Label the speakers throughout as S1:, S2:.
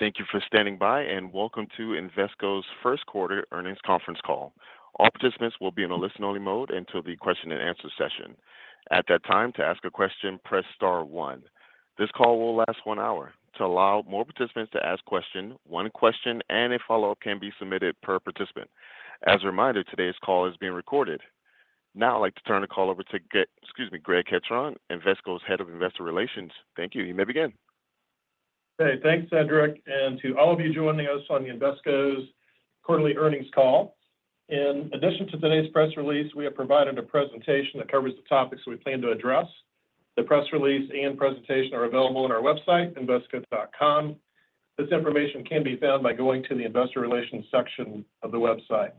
S1: Thank you for standing by, and welcome to Invesco's first quarter earnings conference call. All participants will be in a listen-only mode until the question-and-answer session. At that time, to ask a question, press star one. This call will last one hour. To allow more participants to ask questions, one question and a follow-up can be submitted per participant. As a reminder, today's call is being recorded. Now I'd like to turn the call over to Greg, excuse me, Greg Ketron, Invesco's Head of Investor Relations. Thank you. You may begin.
S2: Okay. Thanks, Cedric. To all of you joining us on Invesco's quarterly earnings call, in addition to today's press release, we have provided a presentation that covers the topics we plan to address. The press release and presentation are available on our website, invesco.com. This information can be found by going to the investor relations section of the website.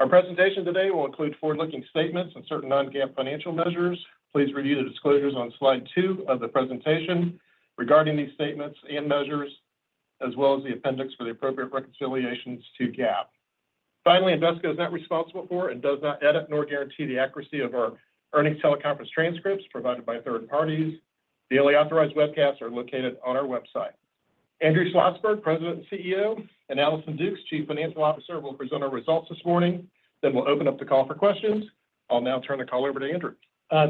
S2: Our presentation today will include forward-looking statements and certain non-GAAP financial measures. Please review the disclosures on slide two of the presentation regarding these statements and measures, as well as the appendix for the appropriate reconciliations to GAAP. Finally, Invesco is not responsible for and does not edit nor guarantee the accuracy of our earnings teleconference transcripts provided by third parties. The only authorized webcasts are located on our website. Andrew Schlossberg, President and CEO, and Allison Dukes, Chief Financial Officer, will present our results this morning. We will open up the call for questions. I'll now turn the call over to Andrew.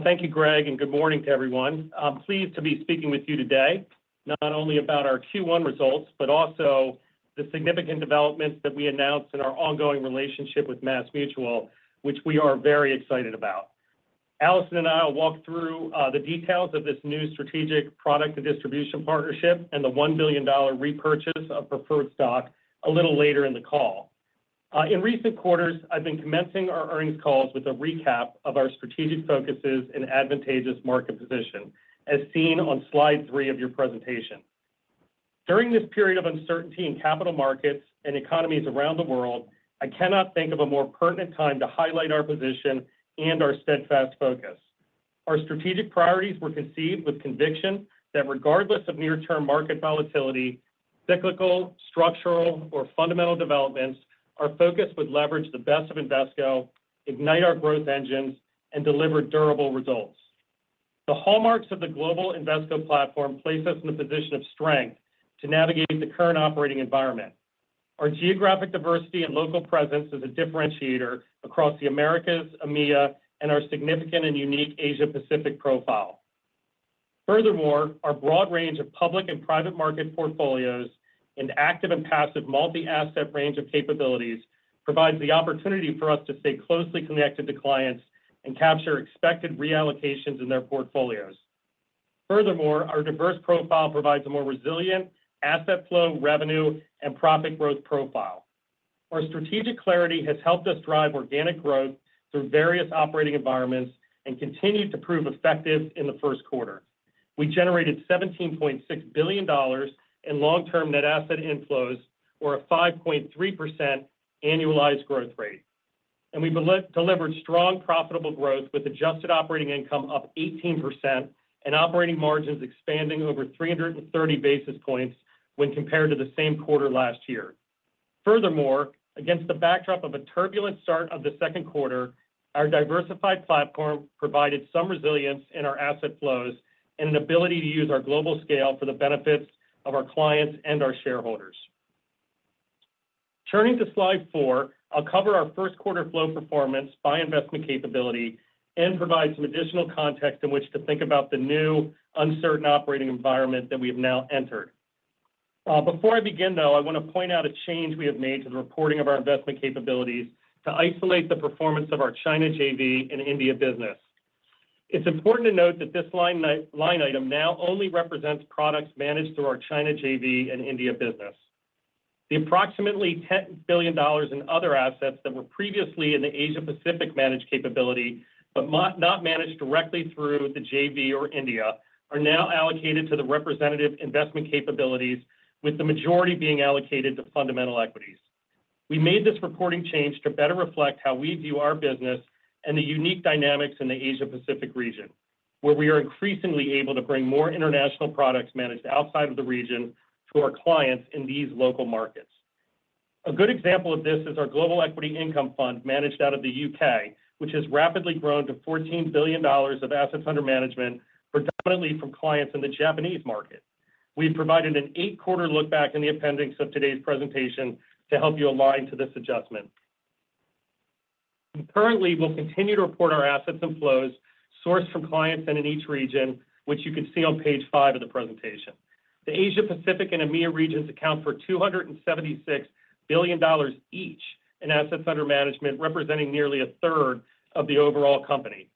S3: Thank you, Greg, and good morning to everyone. I'm pleased to be speaking with you today, not only about our Q1 results, but also the significant developments that we announced in our ongoing relationship with MassMutual, which we are very excited about. Allison and I will walk through the details of this new strategic product and distribution partnership and the $1 billion repurchase of preferred stock a little later in the call. In recent quarters, I've been commencing our earnings calls with a recap of our strategic focuses and advantageous market position, as seen on slide three of your presentation. During this period of uncertainty in capital markets and economies around the world, I cannot think of a more pertinent time to highlight our position and our steadfast focus. Our strategic priorities were conceived with conviction that regardless of near-term market volatility, cyclical, structural, or fundamental developments, our focus would leverage the best of Invesco, ignite our growth engines, and deliver durable results. The hallmarks of the global Invesco platform place us in a position of strength to navigate the current operating environment. Our geographic diversity and local presence is a differentiator across the Americas, EMEA, and our significant and unique Asia-Pacific profile. Furthermore, our broad range of public and private market portfolios and active and passive multi-asset range of capabilities provides the opportunity for us to stay closely connected to clients and capture expected reallocations in their portfolios. Furthermore, our diverse profile provides a more resilient asset flow, revenue, and profit growth profile. Our strategic clarity has helped us drive organic growth through various operating environments and continued to prove effective in the first quarter. We generated $17.6 billion in long-term net asset inflows, or a 5.3% annualized growth rate. We delivered strong, profitable growth with adjusted operating income up 18% and operating margins expanding over 330 basis points when compared to the same quarter last year. Furthermore, against the backdrop of a turbulent start of the second quarter, our diversified platform provided some resilience in our asset flows and an ability to use our global scale for the benefits of our clients and our shareholders. Turning to slide four, I'll cover our first quarter flow performance by investment capability and provide some additional context in which to think about the new uncertain operating environment that we have now entered. Before I begin, though, I want to point out a change we have made to the reporting of our investment capabilities to isolate the performance of our China JV and India business. It's important to note that this line item now only represents products managed through our China JV and India business. The approximately $10 billion in other assets that were previously in the Asia-Pacific managed capability but not managed directly through the JV or India are now allocated to the representative investment capabilities, with the majority being allocated to fundamental equities. We made this reporting change to better reflect how we view our business and the unique dynamics in the Asia-Pacific region, where we are increasingly able to bring more international products managed outside of the region to our clients in these local markets. A good example of this is our Global Equity Income Fund managed out of the U.K., which has rapidly grown to $14 billion of assets under management, predominantly from clients in the Japanese market. We've provided an eight-quarter look back in the appendix of today's presentation to help you align to this adjustment. Currently, we'll continue to report our assets and flows sourced from clients in each region, which you can see on page five of the presentation. The Asia-Pacific and EMEA regions account for $276 billion each in assets under management, representing nearly a third of the overall company.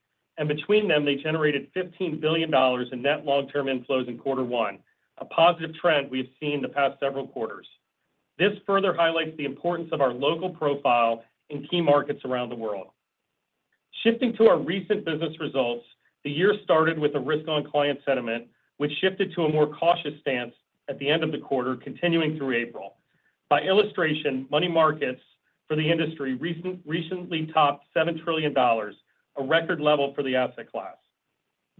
S3: Between them, they generated $15 billion in net long-term inflows in quarter one, a positive trend we have seen the past several quarters. This further highlights the importance of our local profile in key markets around the world. Shifting to our recent business results, the year started with a risk-on client sentiment, which shifted to a more cautious stance at the end of the quarter, continuing through April. By illustration, money markets for the industry recently topped $7 trillion, a record level for the asset class.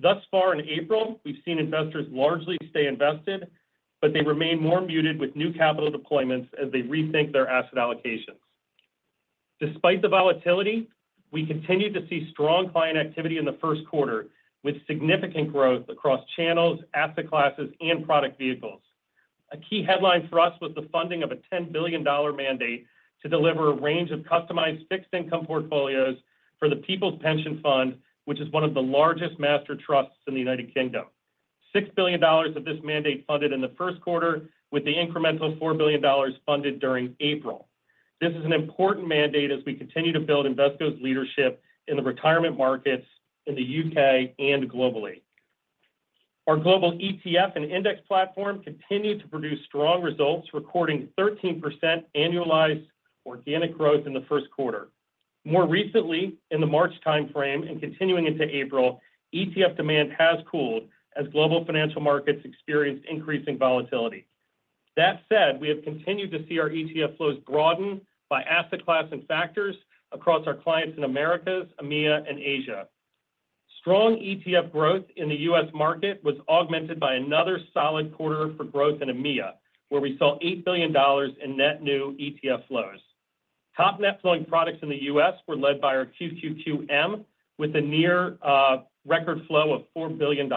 S3: Thus far in April, we've seen investors largely stay invested, but they remain more muted with new capital deployments as they rethink their asset allocations. Despite the volatility, we continue to see strong client activity in the first quarter, with significant growth across channels, asset classes, and product vehicles. A key headline for us was the funding of a $10 billion mandate to deliver a range of customized fixed income portfolios for the People's Pension Fund, which is one of the largest master trusts in the United Kingdom. $6 billion of this mandate funded in the first quarter, with the incremental $4 billion funded during April. This is an important mandate as we continue to build Invesco's leadership in the retirement markets in the U.K. and globally. Our global ETF and index platform continued to produce strong results, recording 13% annualized organic growth in the first quarter. More recently, in the March timeframe and continuing into April, ETF demand has cooled as global financial markets experienced increasing volatility. That said, we have continued to see our ETF flows broaden by asset class and factors across our clients in the Americas, EMEA, and Asia. Strong ETF growth in the U.S. market was augmented by another solid quarter for growth in EMEA, where we saw $8 billion in net new ETF flows. Top net flowing products in the U.S. were led by our QQQM, with a near record flow of $4 billion.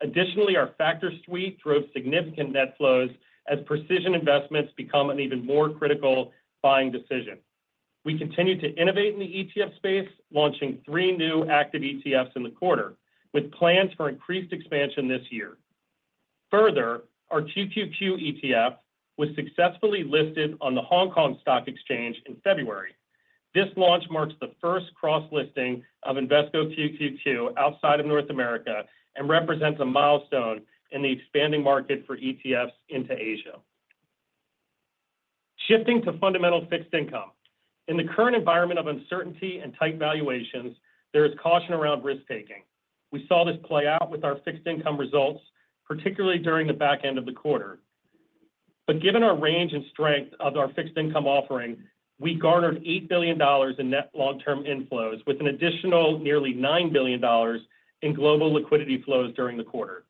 S3: Additionally, our factor suite drove significant net flows as precision investments become an even more critical buying decision. We continue to innovate in the ETF space, launching three new active ETFs in the quarter, with plans for increased expansion this year. Further, our QQQ ETF was successfully listed on the Hong Kong Stock Exchange in February. This launch marks the first cross-listing of Invesco QQQ outside of North America and represents a milestone in the expanding market for ETFs into Asia. Shifting to fundamental fixed income. In the current environment of uncertainty and tight valuations, there is caution around risk-taking. We saw this play out with our fixed income results, particularly during the back end of the quarter. Given our range and strength of our fixed income offering, we garnered $8 billion in net long-term inflows, with an additional nearly $9 billion in global liquidity flows during the quarter.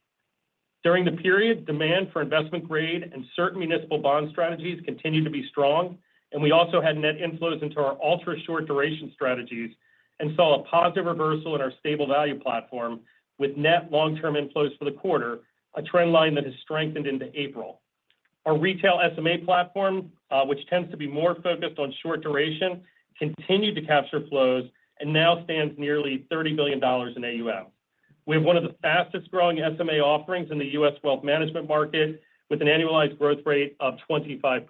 S3: During the period, demand for investment-grade and certain municipal bond strategies continued to be strong, and we also had net inflows into our ultra-short duration strategies and saw a positive reversal in our stable value platform, with net long-term inflows for the quarter, a trend line that has strengthened into April. Our retail SMA platform, which tends to be more focused on short duration, continued to capture flows and now stands nearly $30 billion in AUM. We have one of the fastest-growing SMA offerings in the U.S. wealth management market, with an annualized growth rate of 25%.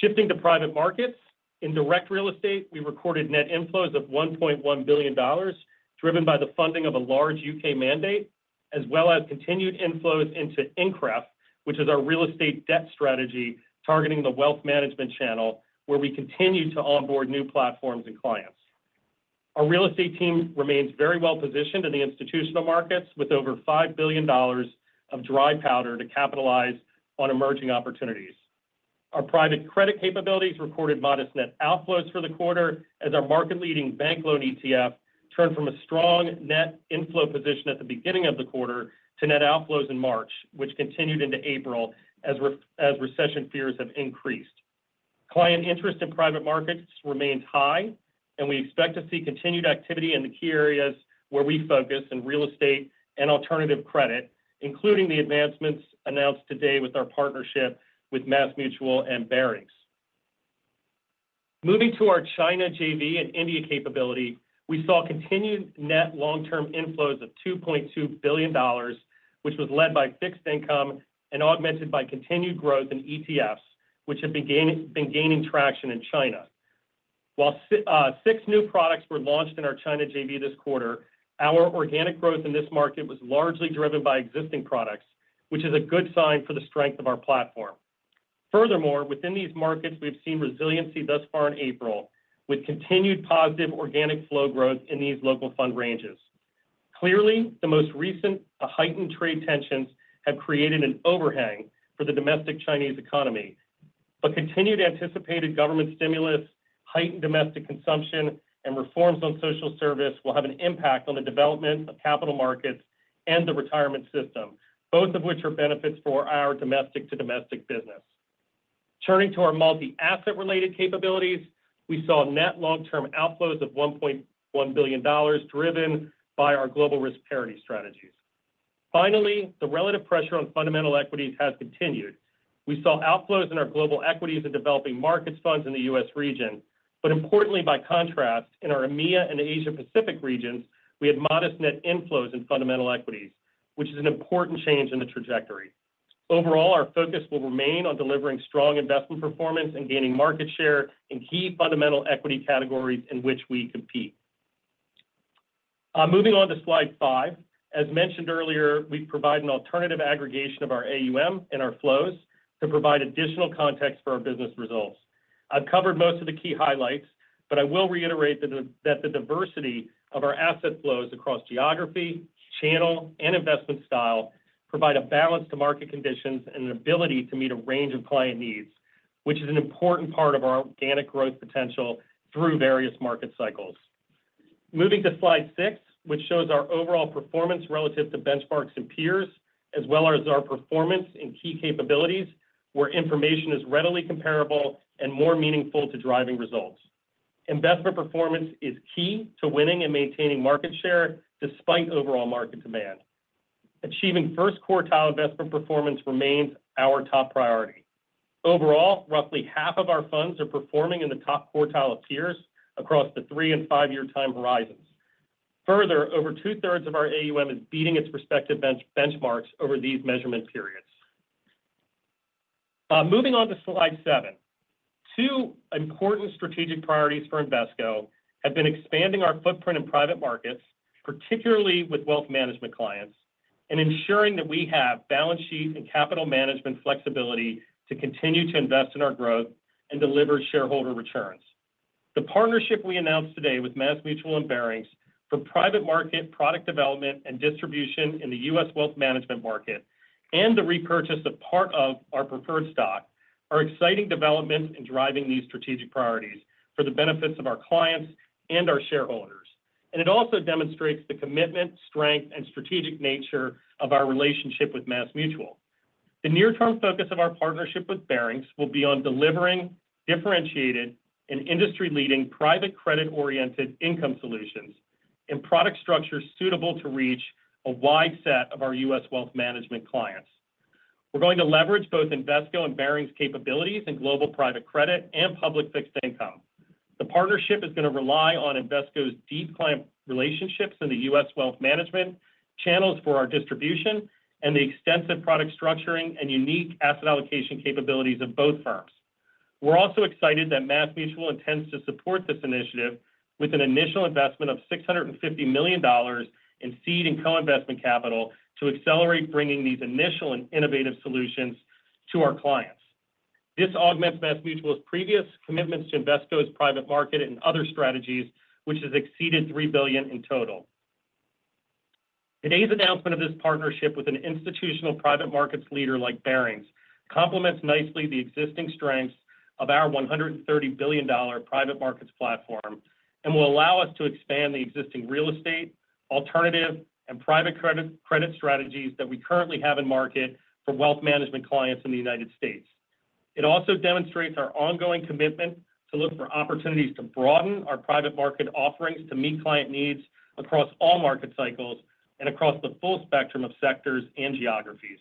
S3: Shifting to private markets, in direct real estate, we recorded net inflows of $1.1 billion, driven by the funding of a large U.K. mandate, as well as continued inflows into INCREF, which is our real estate debt strategy targeting the wealth management channel, where we continue to onboard new platforms and clients. Our real estate team remains very well positioned in the institutional markets, with over $5 billion of dry powder to capitalize on emerging opportunities. Our private credit capabilities recorded modest net outflows for the quarter, as our market-leading bank loan ETF turned from a strong net inflow position at the beginning of the quarter to net outflows in March, which continued into April as recession fears have increased. Client interest in private markets remains high, and we expect to see continued activity in the key areas where we focus in real estate and alternative credit, including the advancements announced today with our partnership with MassMutual and Barings. Moving to our China JV and India capability, we saw continued net long-term inflows of $2.2 billion, which was led by fixed income and augmented by continued growth in ETFs, which have been gaining traction in China. While six new products were launched in our China JV this quarter, our organic growth in this market was largely driven by existing products, which is a good sign for the strength of our platform. Furthermore, within these markets, we've seen resiliency thus far in April, with continued positive organic flow growth in these local fund ranges. Clearly, the most recent heightened trade tensions have created an overhang for the domestic Chinese economy. Continued anticipated government stimulus, heightened domestic consumption, and reforms on social service will have an impact on the development of capital markets and the retirement system, both of which are benefits for our domestic-to-domestic business. Turning to our multi-asset-related capabilities, we saw net long-term outflows of $1.1 billion, driven by our global risk parity strategies. Finally, the relative pressure on fundamental equities has continued. We saw outflows in our global equities and developing markets funds in the U..S. region. Importantly, by contrast, in our EMEA and Asia-Pacific regions, we had modest net inflows in fundamental equities, which is an important change in the trajectory. Overall, our focus will remain on delivering strong investment performance and gaining market share in key fundamental equity categories in which we compete. Moving on to slide five, as mentioned earlier, we provide an alternative aggregation of our AUM and our flows to provide additional context for our business results. I've covered most of the key highlights, but I will reiterate that the diversity of our asset flows across geography, channel, and investment style provide a balance to market conditions and an ability to meet a range of client needs, which is an important part of our organic growth potential through various market cycles. Moving to slide six, which shows our overall performance relative to benchmarks and peers, as well as our performance in key capabilities, where information is readily comparable and more meaningful to driving results. Investment performance is key to winning and maintaining market share despite overall market demand. Achieving first quartile investment performance remains our top priority. Overall, roughly half of our funds are performing in the top quartile of peers across the three and five-year time horizons. Further, over two-thirds of our AUM is beating its respective benchmarks over these measurement periods. Moving on to slide seven, two important strategic priorities for Invesco have been expanding our footprint in private markets, particularly with wealth management clients, and ensuring that we have balance sheet and capital management flexibility to continue to invest in our growth and deliver shareholder returns. The partnership we announced today with MassMutual and Barings for private market product development and distribution in the U.S. wealth management market and the repurchase of part of our preferred stock are exciting developments in driving these strategic priorities for the benefits of our clients and our shareholders. It also demonstrates the commitment, strength, and strategic nature of our relationship with MassMutual. The near-term focus of our partnership with Barings will be on delivering differentiated and industry-leading private credit-oriented income solutions and product structures suitable to reach a wide set of our U.S. wealth management clients. We're going to leverage both Invesco and Barings' capabilities in global private credit and public fixed income. The partnership is going to rely on Invesco's deep client relationships in the U.S. wealth management channels for our distribution and the extensive product structuring and unique asset allocation capabilities of both firms. We're also excited that MassMutual intends to support this initiative with an initial investment of $650 million in seed and co-investment capital to accelerate bringing these initial and innovative solutions to our clients. This augments MassMutual's previous commitments to Invesco's private market and other strategies, which has exceeded $3 billion in total. Today's announcement of this partnership with an institutional private markets leader like Barings complements nicely the existing strengths of our $130 billion private markets platform and will allow us to expand the existing real estate, alternative, and private credit strategies that we currently have in market for wealth management clients in the United States. It also demonstrates our ongoing commitment to look for opportunities to broaden our private market offerings to meet client needs across all market cycles and across the full spectrum of sectors and geographies.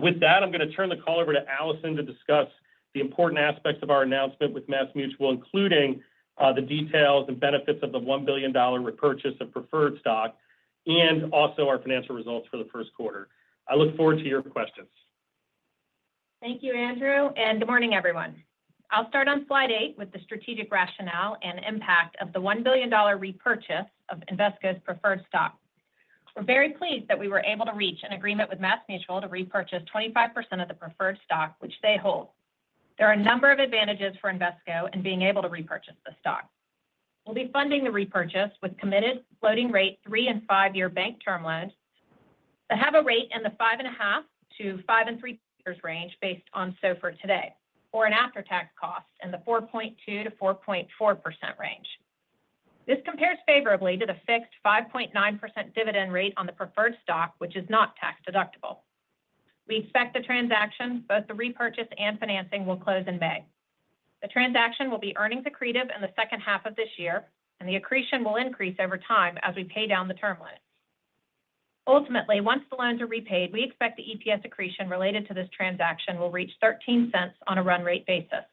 S3: With that, I'm going to turn the call over to Allison to discuss the important aspects of our announcement with MassMutual, including the details and benefits of the $1 billion repurchase of preferred stock and also our financial results for the first quarter. I look forward to your questions.
S4: Thank you, Andrew. Good morning, everyone. I'll start on slide eight with the strategic rationale and impact of the $1 billion repurchase of Invesco's preferred stock. We're very pleased that we were able to reach an agreement with MassMutual to repurchase 25% of the preferred stock, which they hold. There are a number of advantages for Invesco in being able to repurchase the stock. We'll be funding the repurchase with committed floating rate three and five-year bank term loans that have a rate in the 5.5%-5.3% range based on SOFR today, or an after-tax cost in the 4.2%-4.4% range. This compares favorably to the fixed 5.9% dividend rate on the preferred stock, which is not tax-deductible. We expect the transaction, both the repurchase and financing, will close in May. The transaction will be earnings accretive in the second half of this year, and the accretion will increase over time as we pay down the term loan. Ultimately, once the loans are repaid, we expect the EPS accretion related to this transaction will reach $0.13 on a run rate basis.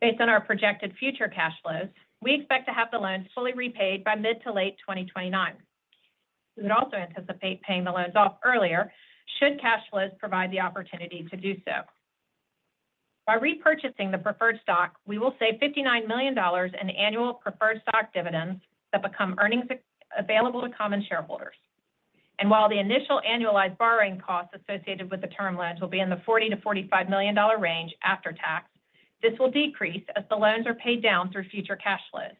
S4: Based on our projected future cash flows, we expect to have the loans fully repaid by mid to late 2029. We would also anticipate paying the loans off earlier should cash flows provide the opportunity to do so. By repurchasing the preferred stock, we will save $59 million in annual preferred stock dividends that become earnings available to common shareholders. While the initial annualized borrowing costs associated with the term loans will be in the $40-$45 million range after tax, this will decrease as the loans are paid down through future cash flows.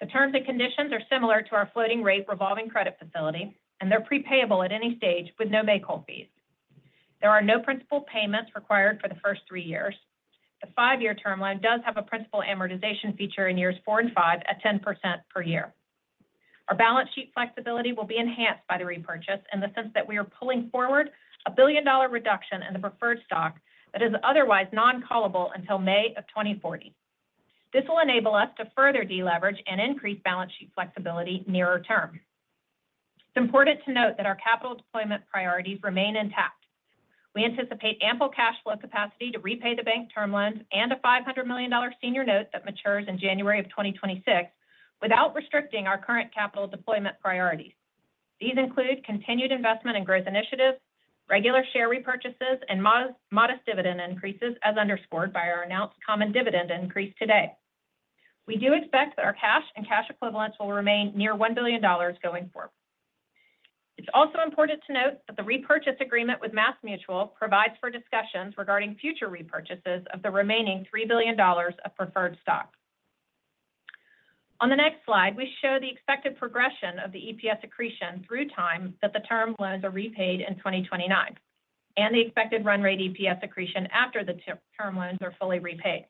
S4: The terms and conditions are similar to our floating rate revolving credit facility, and they are prepayable at any stage with no bank hold fees. There are no principal payments required for the first three years. The five-year term loan does have a principal amortization feature in years four and five at 10% per year. Our balance sheet flexibility will be enhanced by the repurchase in the sense that we are pulling forward a $1 billion reduction in the preferred stock that is otherwise non-callable until May of 2040. This will enable us to further deleverage and increase balance sheet flexibility nearer term. It's important to note that our capital deployment priorities remain intact. We anticipate ample cash flow capacity to repay the bank term loans and a $500 million senior note that matures in January of 2026 without restricting our current capital deployment priorities. These include continued investment and growth initiatives, regular share repurchases, and modest dividend increases, as underscored by our announced common dividend increase today. We do expect that our cash and cash equivalents will remain near $1 billion going forward. It's also important to note that the repurchase agreement with MassMutual provides for discussions regarding future repurchases of the remaining $3 billion of preferred stock. On the next slide, we show the expected progression of the EPS accretion through time that the term loans are repaid in 2029 and the expected run rate EPS accretion after the term loans are fully repaid.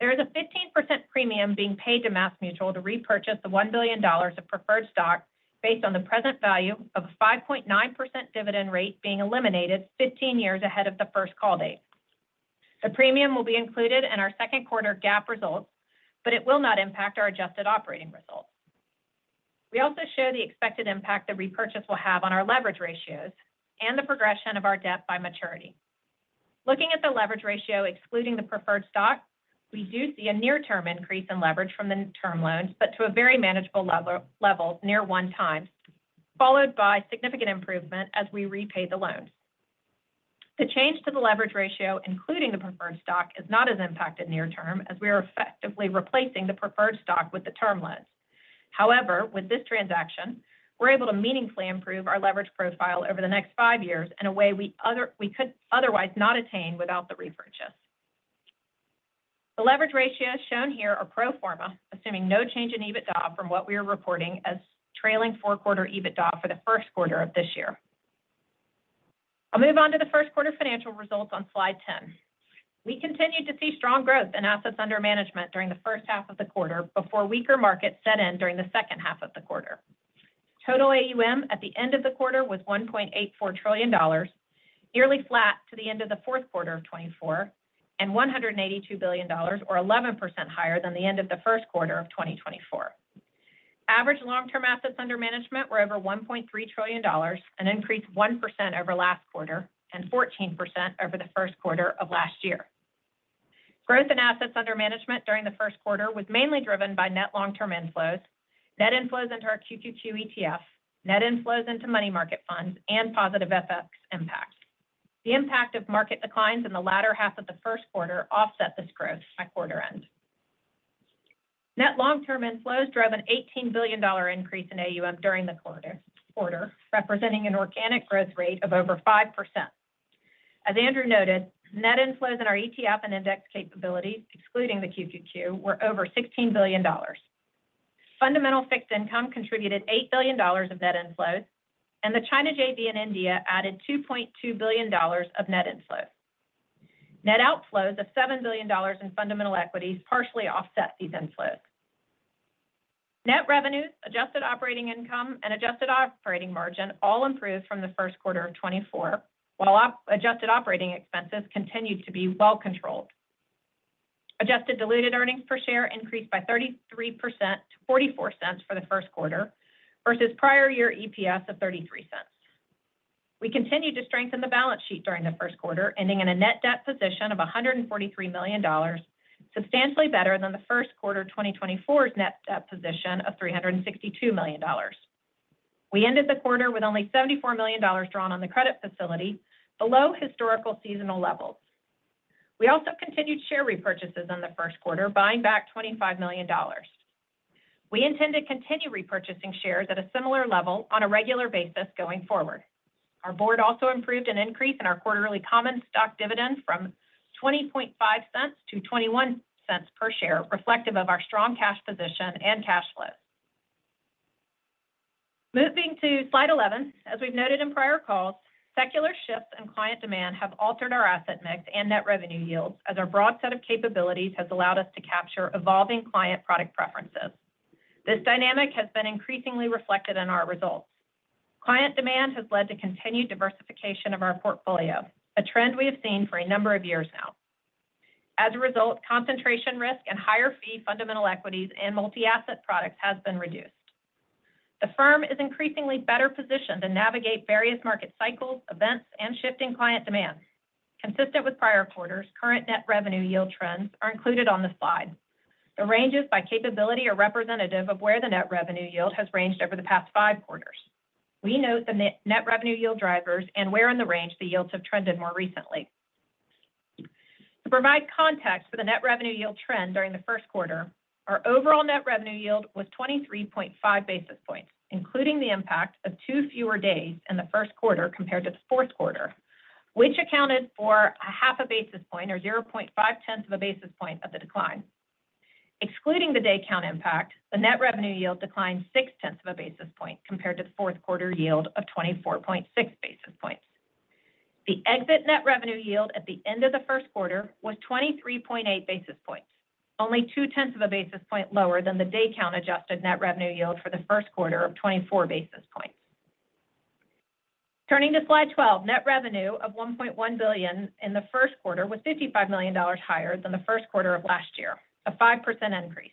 S4: There is a 15% premium being paid to MassMutual to repurchase the $1 billion of preferred stock based on the present value of a 5.9% dividend rate being eliminated 15 years ahead of the first call date. The premium will be included in our second quarter GAAP results, but it will not impact our adjusted operating results. We also show the expected impact the repurchase will have on our leverage ratios and the progression of our debt by maturity. Looking at the leverage ratio excluding the preferred stock, we do see a near-term increase in leverage from the term loans, but to a very manageable level, near one time, followed by significant improvement as we repay the loans. The change to the leverage ratio, including the preferred stock, is not as impacted near-term as we are effectively replacing the preferred stock with the term loans. However, with this transaction, we're able to meaningfully improve our leverage profile over the next five years in a way we could otherwise not attain without the repurchase. The leverage ratios shown here are pro forma, assuming no change in EBITDA from what we are reporting as trailing four-quarter EBITDA for the first quarter of this year. I'll move on to the first quarter financial results on slide 10. We continued to see strong growth in assets under management during the first half of the quarter before weaker markets set in during the second half of the quarter. Total AUM at the end of the quarter was $1.84 trillion, nearly flat to the end of the fourth quarter of 2024, and $182 billion, or 11% higher than the end of the first quarter of 2024. Average long-term assets under management were over $1.3 trillion, an increase of 1% over last quarter and 14% over the first quarter of last year. Growth in assets under management during the first quarter was mainly driven by net long-term inflows, net inflows into our QQQ ETF, net inflows into money market funds, and positive FX impacts. The impact of market declines in the latter half of the first quarter offset this growth by quarter end. Net long-term inflows drove an $18 billion increase in AUM during the quarter, representing an organic growth rate of over 5%. As Andrew noted, net inflows in our ETF and index capabilities, excluding the QQQ, were over $16 billion. Fundamental fixed income contributed $8 billion of net inflows, and the China JV in India added $2.2 billion of net inflows. Net outflows of $7 billion in fundamental equities partially offset these inflows. Net revenues, adjusted operating income, and adjusted operating margin all improved from the first quarter of 2024, while adjusted operating expenses continued to be well controlled. Adjusted diluted earnings per share increased by 33% to $0.44 for the first quarter versus prior year EPS of $0.33. We continued to strengthen the balance sheet during the first quarter, ending in a net debt position of $143 million, substantially better than the first quarter of 2024's net debt position of $362 million. We ended the quarter with only $74 million drawn on the credit facility, below historical seasonal levels. We also continued share repurchases in the first quarter, buying back $25 million. We intend to continue repurchasing shares at a similar level on a regular basis going forward. Our board also approved an increase in our quarterly common stock dividend from $0.205 to $0.21 per share, reflective of our strong cash position and cash flows. Moving to slide 11, as we've noted in prior calls, secular shifts in client demand have altered our asset mix and net revenue yields as our broad set of capabilities has allowed us to capture evolving client product preferences. This dynamic has been increasingly reflected in our results. Client demand has led to continued diversification of our portfolio, a trend we have seen for a number of years now. As a result, concentration risk and higher fee fundamental equities and multi-asset products have been reduced. The firm is increasingly better positioned to navigate various market cycles, events, and shifting client demand. Consistent with prior quarters, current net revenue yield trends are included on the slide. The ranges by capability are representative of where the net revenue yield has ranged over the past five quarters. We note the net revenue yield drivers and where in the range the yields have trended more recently. To provide context for the net revenue yield trend during the first quarter, our overall net revenue yield was 23.5 basis points, including the impact of two fewer days in the first quarter compared to the fourth quarter, which accounted for a half a basis point or 0.5 tenths of a basis point of the decline. Excluding the day count impact, the net revenue yield declined six tenths of a basis point compared to the fourth quarter yield of 24.6 basis points. The exit net revenue yield at the end of the first quarter was 23.8 basis points, only two tenths of a basis point lower than the day count adjusted net revenue yield for the first quarter of 24 basis points. Turning to slide 12, net revenue of $1.1 billion in the first quarter was $55 million higher than the first quarter of last year, a 5% increase.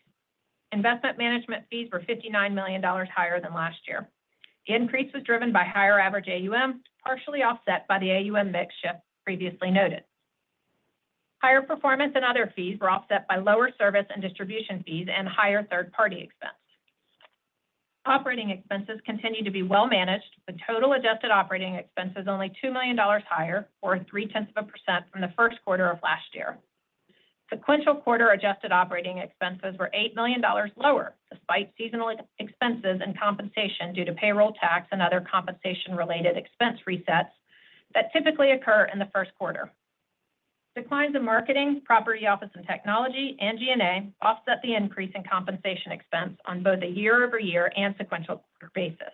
S4: Investment management fees were $59 million higher than last year. The increase was driven by higher average AUM, partially offset by the AUM mix shift previously noted. Higher performance and other fees were offset by lower service and distribution fees and higher third-party expense. Operating expenses continued to be well managed, with total adjusted operating expenses only $2 million higher, or 0.3% from the first quarter of last year. Sequential quarter adjusted operating expenses were $8 million lower, despite seasonal expenses and compensation due to payroll tax and other compensation-related expense resets that typically occur in the first quarter. Declines in marketing, property office and technology, and G&A offset the increase in compensation expense on both a year-over-year and sequential quarter basis.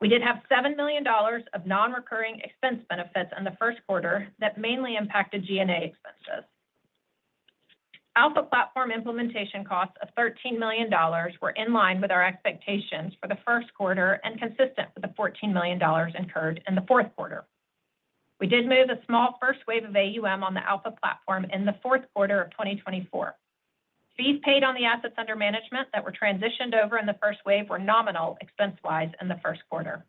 S4: We did have $7 million of non-recurring expense benefits in the first quarter that mainly impacted G&A expenses. Alpha platform implementation costs of $13 million were in line with our expectations for the first quarter and consistent with the $14 million incurred in the fourth quarter. We did move a small first wave of AUM on the Alpha platform in the fourth quarter of 2024. Fees paid on the assets under management that were transitioned over in the first wave were nominal expense-wise in the first quarter.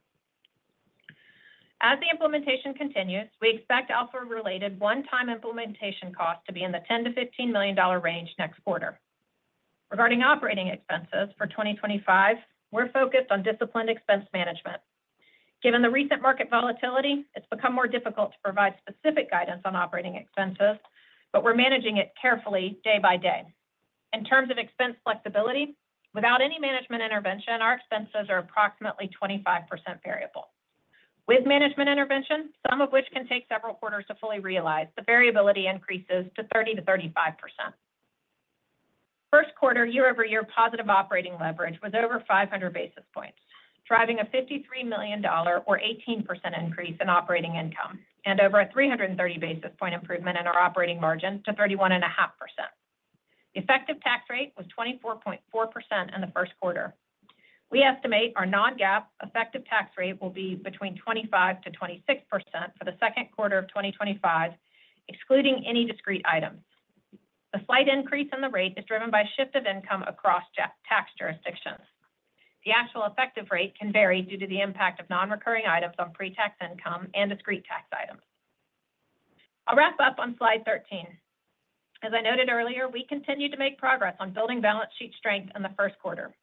S4: As the implementation continues, we expect Alpha-related one-time implementation costs to be in the $10-$15 million range next quarter. Regarding operating expenses for 2025, we're focused on disciplined expense management. Given the recent market volatility, it's become more difficult to provide specific guidance on operating expenses, but we're managing it carefully day by day. In terms of expense flexibility, without any management intervention, our expenses are approximately 25% variable. With management intervention, some of which can take several quarters to fully realize, the variability increases to 30%-35%. First quarter year-over-year positive operating leverage was over 500 basis points, driving a $53 million, or 18% increase in operating income, and over a 330 basis point improvement in our operating margin to 31.5%. The effective tax rate was 24.4% in the first quarter. We estimate our non-GAAP effective tax rate will be between 25%-26% for the second quarter of 2025, excluding any discrete items. The slight increase in the rate is driven by shift of income across tax jurisdictions. The actual effective rate can vary due to the impact of non-recurring items on pre-tax income and discrete tax items. I'll wrap up on slide 13. As I noted earlier, we continued to make progress on building balance sheet strength in the first quarter.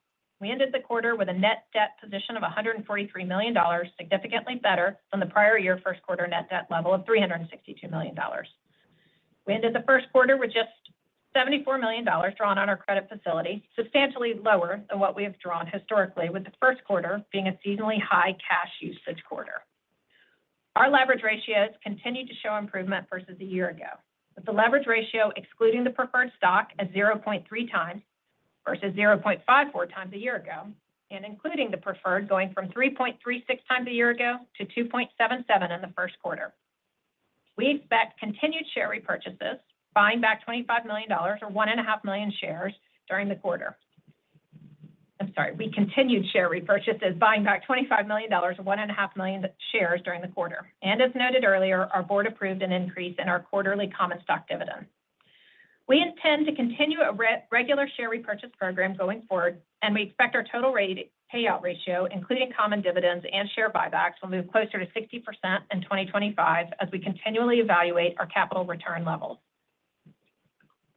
S4: We ended the quarter with a net debt position of $143 million, significantly better than the prior year first quarter net debt level of $362 million. We ended the first quarter with just $74 million drawn on our credit facility, substantially lower than what we have drawn historically, with the first quarter being a seasonally high cash usage quarter. Our leverage ratios continue to show improvement versus a year ago, with the leverage ratio excluding the preferred stock at 0.3 times versus 0.54 times a year ago, and including the preferred going from 3.36 times a year ago to 2.77 in the first quarter. We expect continued share repurchases, buying back $25 million, or 1.5 million shares during the quarter. I'm sorry, we continued share repurchases, buying back $25 million, or 1.5 million shares during the quarter. As noted earlier, our board approved an increase in our quarterly common stock dividend. We intend to continue a regular share repurchase program going forward, and we expect our total payout ratio, including common dividends and share buybacks, will move closer to 60% in 2025 as we continually evaluate our capital return levels.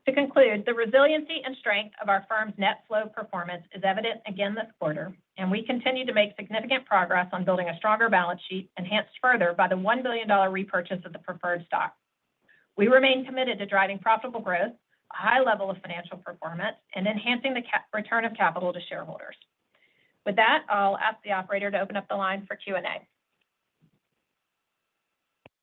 S4: To conclude, the resiliency and strength of our firm's net flow performance is evident again this quarter, and we continue to make significant progress on building a stronger balance sheet, enhanced further by the $1 billion repurchase of the preferred stock. We remain committed to driving profitable growth, a high level of financial performance, and enhancing the return of capital to shareholders. With that, I'll ask the operator to open up the line for Q&A.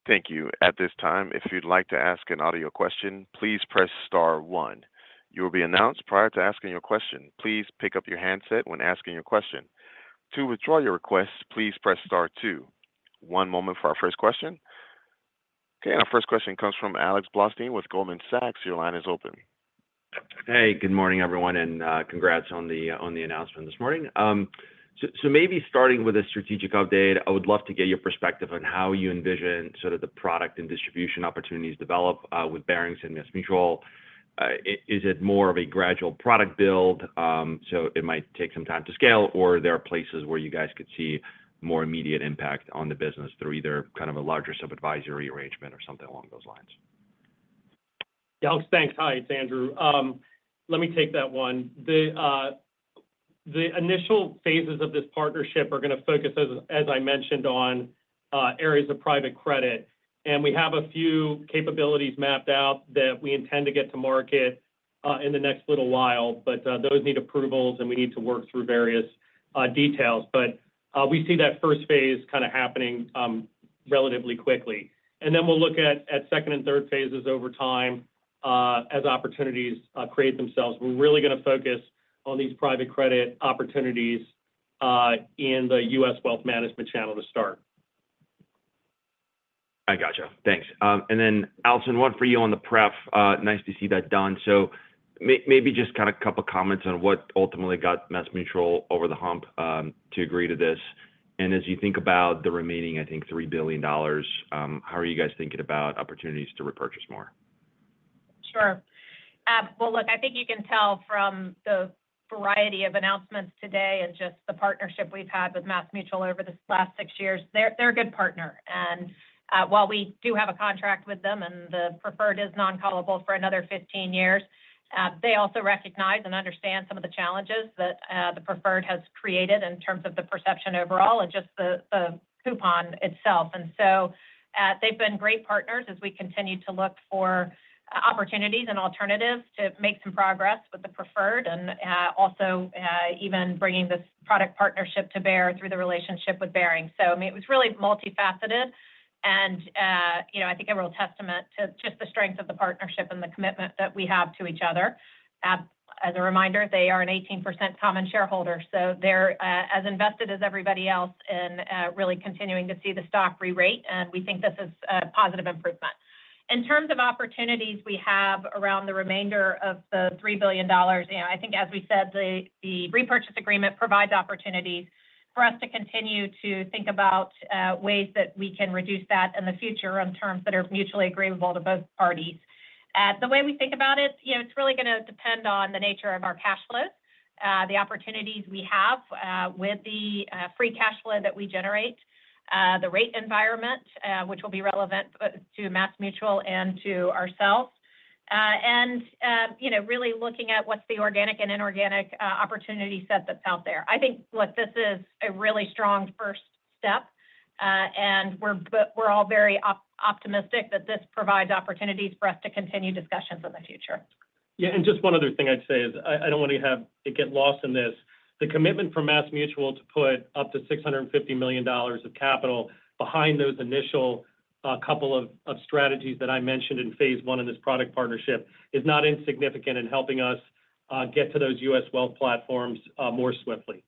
S1: Thank you. At this time, if you'd like to ask an audio question, please press star one. You will be announced prior to asking your question. Please pick up your handset when asking your question. To withdraw your request, please press star two. One moment for our first question. Okay, and our first question comes from Alex Blostein with Goldman Sachs. Your line is open.
S5: Hey, good morning, everyone, and congrats on the announcement this morning. Maybe starting with a strategic update, I would love to get your perspective on how you envision sort of the product and distribution opportunities develop with Barings and MassMutual. Is it more of a gradual product build, so it might take some time to scale, or are there places where you guys could see more immediate impact on the business through either kind of a larger sub-advisory arrangement or something along those lines?
S3: Alex, thanks. Hi, it's Andrew. Let me take that one. The initial phases of this partnership are going to focus, as I mentioned, on areas of private credit, and we have a few capabilities mapped out that we intend to get to market in the next little while, but those need approvals, and we need to work through various details. We see that first phase kind of happening relatively quickly. We will look at second and third phases over time as opportunities create themselves. We're really going to focus on these private credit opportunities in the U.S. wealth management channel to start.
S5: I gotcha. Thanks. Allison, one for you on the prep. Nice to see that done. Maybe just kind of a couple of comments on what ultimately got MassMutual over the hump to agree to this. As you think about the remaining, I think, $3 billion, how are you guys thinking about opportunities to repurchase more?
S4: Sure. Look, I think you can tell from the variety of announcements today and just the partnership we've had with MassMutual over the last six years, they're a good partner. While we do have a contract with them and the preferred is non-callable for another 15 years, they also recognize and understand some of the challenges that the preferred has created in terms of the perception overall and just the coupon itself. They've been great partners as we continue to look for opportunities and alternatives to make some progress with the preferred and also even bringing this product partnership to bear through the relationship with Barings. I mean, it was really multifaceted, and I think a real testament to just the strength of the partnership and the commitment that we have to each other. As a reminder, they are an 18% common shareholder, so they're as invested as everybody else in really continuing to see the stock re-rate, and we think this is a positive improvement. In terms of opportunities we have around the remainder of the $3 billion, I think, as we said, the repurchase agreement provides opportunities for us to continue to think about ways that we can reduce that in the future on terms that are mutually agreeable to both parties. The way we think about it, it's really going to depend on the nature of our cash flows, the opportunities we have with the free cash flow that we generate, the rate environment, which will be relevant to MassMutual and to ourselves, and really looking at what's the organic and inorganic opportunity set that's out there. I think, look, this is a really strong first step, and we're all very optimistic that this provides opportunities for us to continue discussions in the future.
S3: Yeah, and just one other thing I'd say is I don't want to get lost in this. The commitment from MassMutual to put up to $650 million of capital behind those initial couple of strategies that I mentioned in phase one in this product partnership is not insignificant in helping us get to those U.S. wealth platforms more swiftly.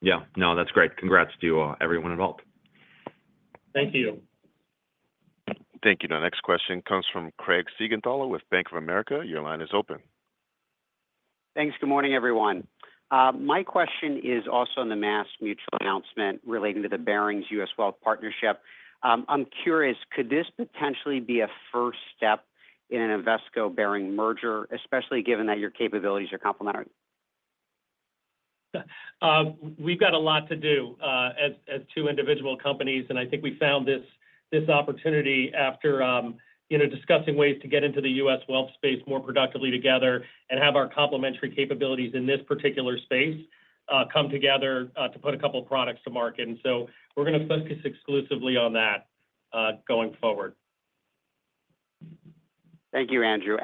S5: Yeah, no, that's great. Congrats to everyone involved.
S3: Thank you.
S1: Thank you. Now, next question comes from Craig Siegenthaler with Bank of America. Your line is open.
S6: Thanks. Good morning, everyone. My question is also on the MassMutual announcement relating to the Barings U.S. wealth partnership. I'm curious, could this potentially be a first step in an Invesco-Barings merger, especially given that your capabilities are complementary?
S3: We've got a lot to do as two individual companies, and I think we found this opportunity after discussing ways to get into the U.S. wealth space more productively together and have our complementary capabilities in this particular space come together to put a couple of products to market. We are going to focus exclusively on that going forward.
S6: Thank you, Andrew.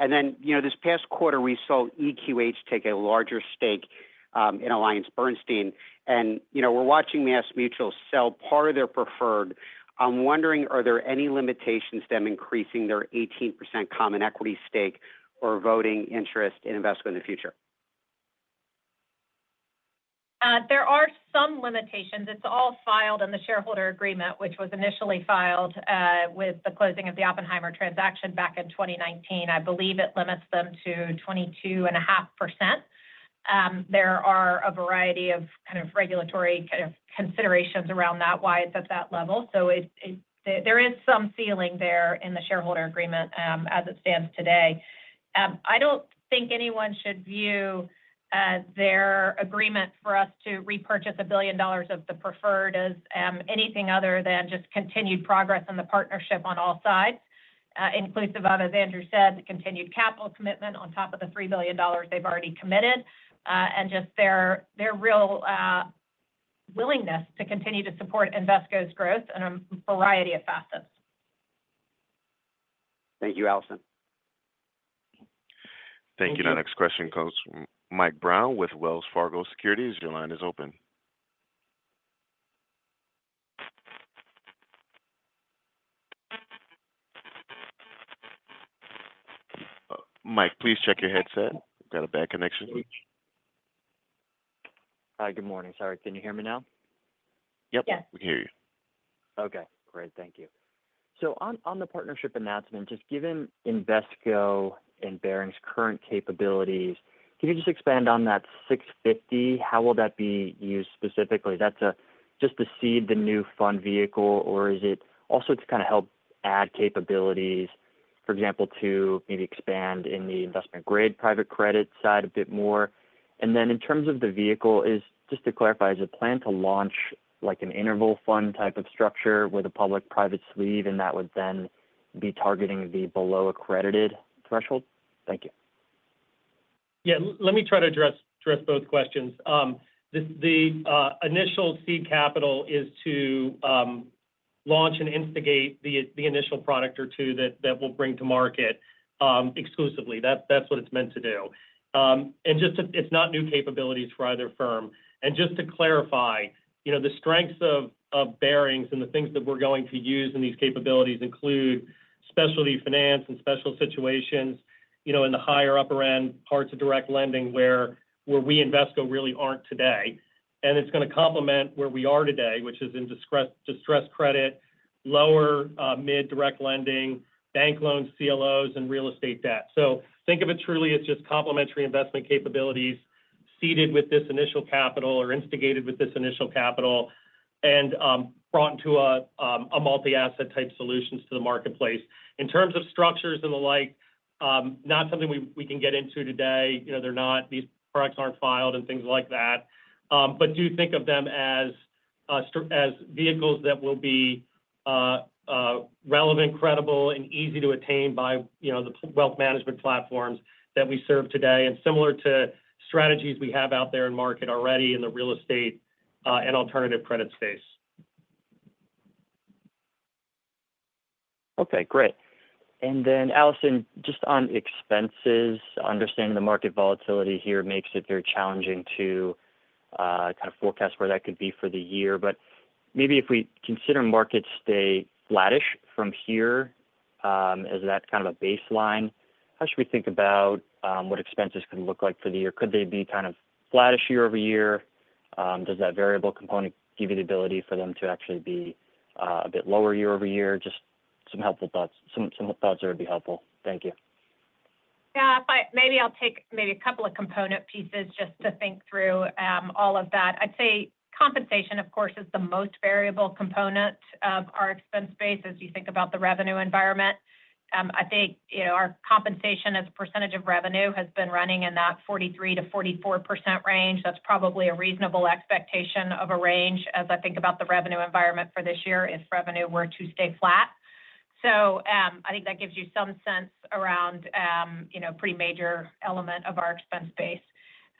S6: This past quarter, we saw EQH take a larger stake in AllianceBernstein, and we are watching MassMutual sell part of their preferred. I'm wondering, are there any limitations to them increasing their 18% common equity stake or voting interest in Invesco in the future?
S4: There are some limitations. It's all filed in the shareholder agreement, which was initially filed with the closing of the Oppenheimer transaction back in 2019. I believe it limits them to 22.5%. There are a variety of kind of regulatory kind of considerations around that, why it's at that level. There is some ceiling there in the shareholder agreement as it stands today. I do not think anyone should view their agreement for us to repurchase a billion dollars of the preferred as anything other than just continued progress in the partnership on all sides, inclusive of, as Andrew said, the continued capital commitment on top of the $3 billion they have already committed, and just their real willingness to continue to support Invesco's growth in a variety of facets.
S6: Thank you, Allison.
S1: Thank you. Now, next question comes from Mike Brown with Wells Fargo Securities. Your line is open. Mike, please check your headset. We have got a bad connection.
S7: Hi, good morning. Sorry, can you hear me now?
S4: Yep.
S1: Yes. We can hear you.
S7: Okay. Great. Thank you. On the partnership announcement, just given Invesco and Barings current capabilities, can you just expand on that $650 million? How will that be used specifically? That's just to seed the new fund vehicle, or is it also to kind of help add capabilities, for example, to maybe expand in the investment-grade private credit side a bit more? In terms of the vehicle, just to clarify, is it planned to launch an interval fund type of structure with a public-private sleeve, and that would then be targeting the below-accredited threshold? Thank you.
S3: Yeah, let me try to address both questions. The initial seed capital is to launch and instigate the initial product or two that we'll bring to market exclusively. That's what it's meant to do. It's not new capabilities for either firm. Just to clarify, the strengths of Barings and the things that we are going to use in these capabilities include specialty finance and special situations in the higher upper end parts of direct lending where we and Invesco really are not today. It is going to complement where we are today, which is in distressed credit, lower mid-direct lending, bank loans, CLOs, and real estate debt. Think of it truly as just complementary investment capabilities seeded with this initial capital or instigated with this initial capital and brought into a multi-asset type solution to the marketplace. In terms of structures and the like, not something we can get into today. These products are not filed and things like that. Do think of them as vehicles that will be relevant, credible, and easy to attain by the wealth management platforms that we serve today and similar to strategies we have out there in market already in the real estate and alternative credit space.
S7: Okay, great. Allison, just on expenses, understanding the market volatility here makes it very challenging to kind of forecast where that could be for the year. Maybe if we consider markets stay flattish from here as that kind of a baseline, how should we think about what expenses could look like for the year? Could they be kind of flattish year over year? Does that variable component give you the ability for them to actually be a bit lower year over year? Some helpful thoughts. Some thoughts that would be helpful. Thank you.
S4: Yeah, maybe I'll take maybe a couple of component pieces just to think through all of that. I'd say compensation, of course, is the most variable component of our expense base as you think about the revenue environment. I think our compensation as a percentage of revenue has been running in that 43%-44% range. That's probably a reasonable expectation of a range as I think about the revenue environment for this year if revenue were to stay flat. I think that gives you some sense around a pretty major element of our expense base.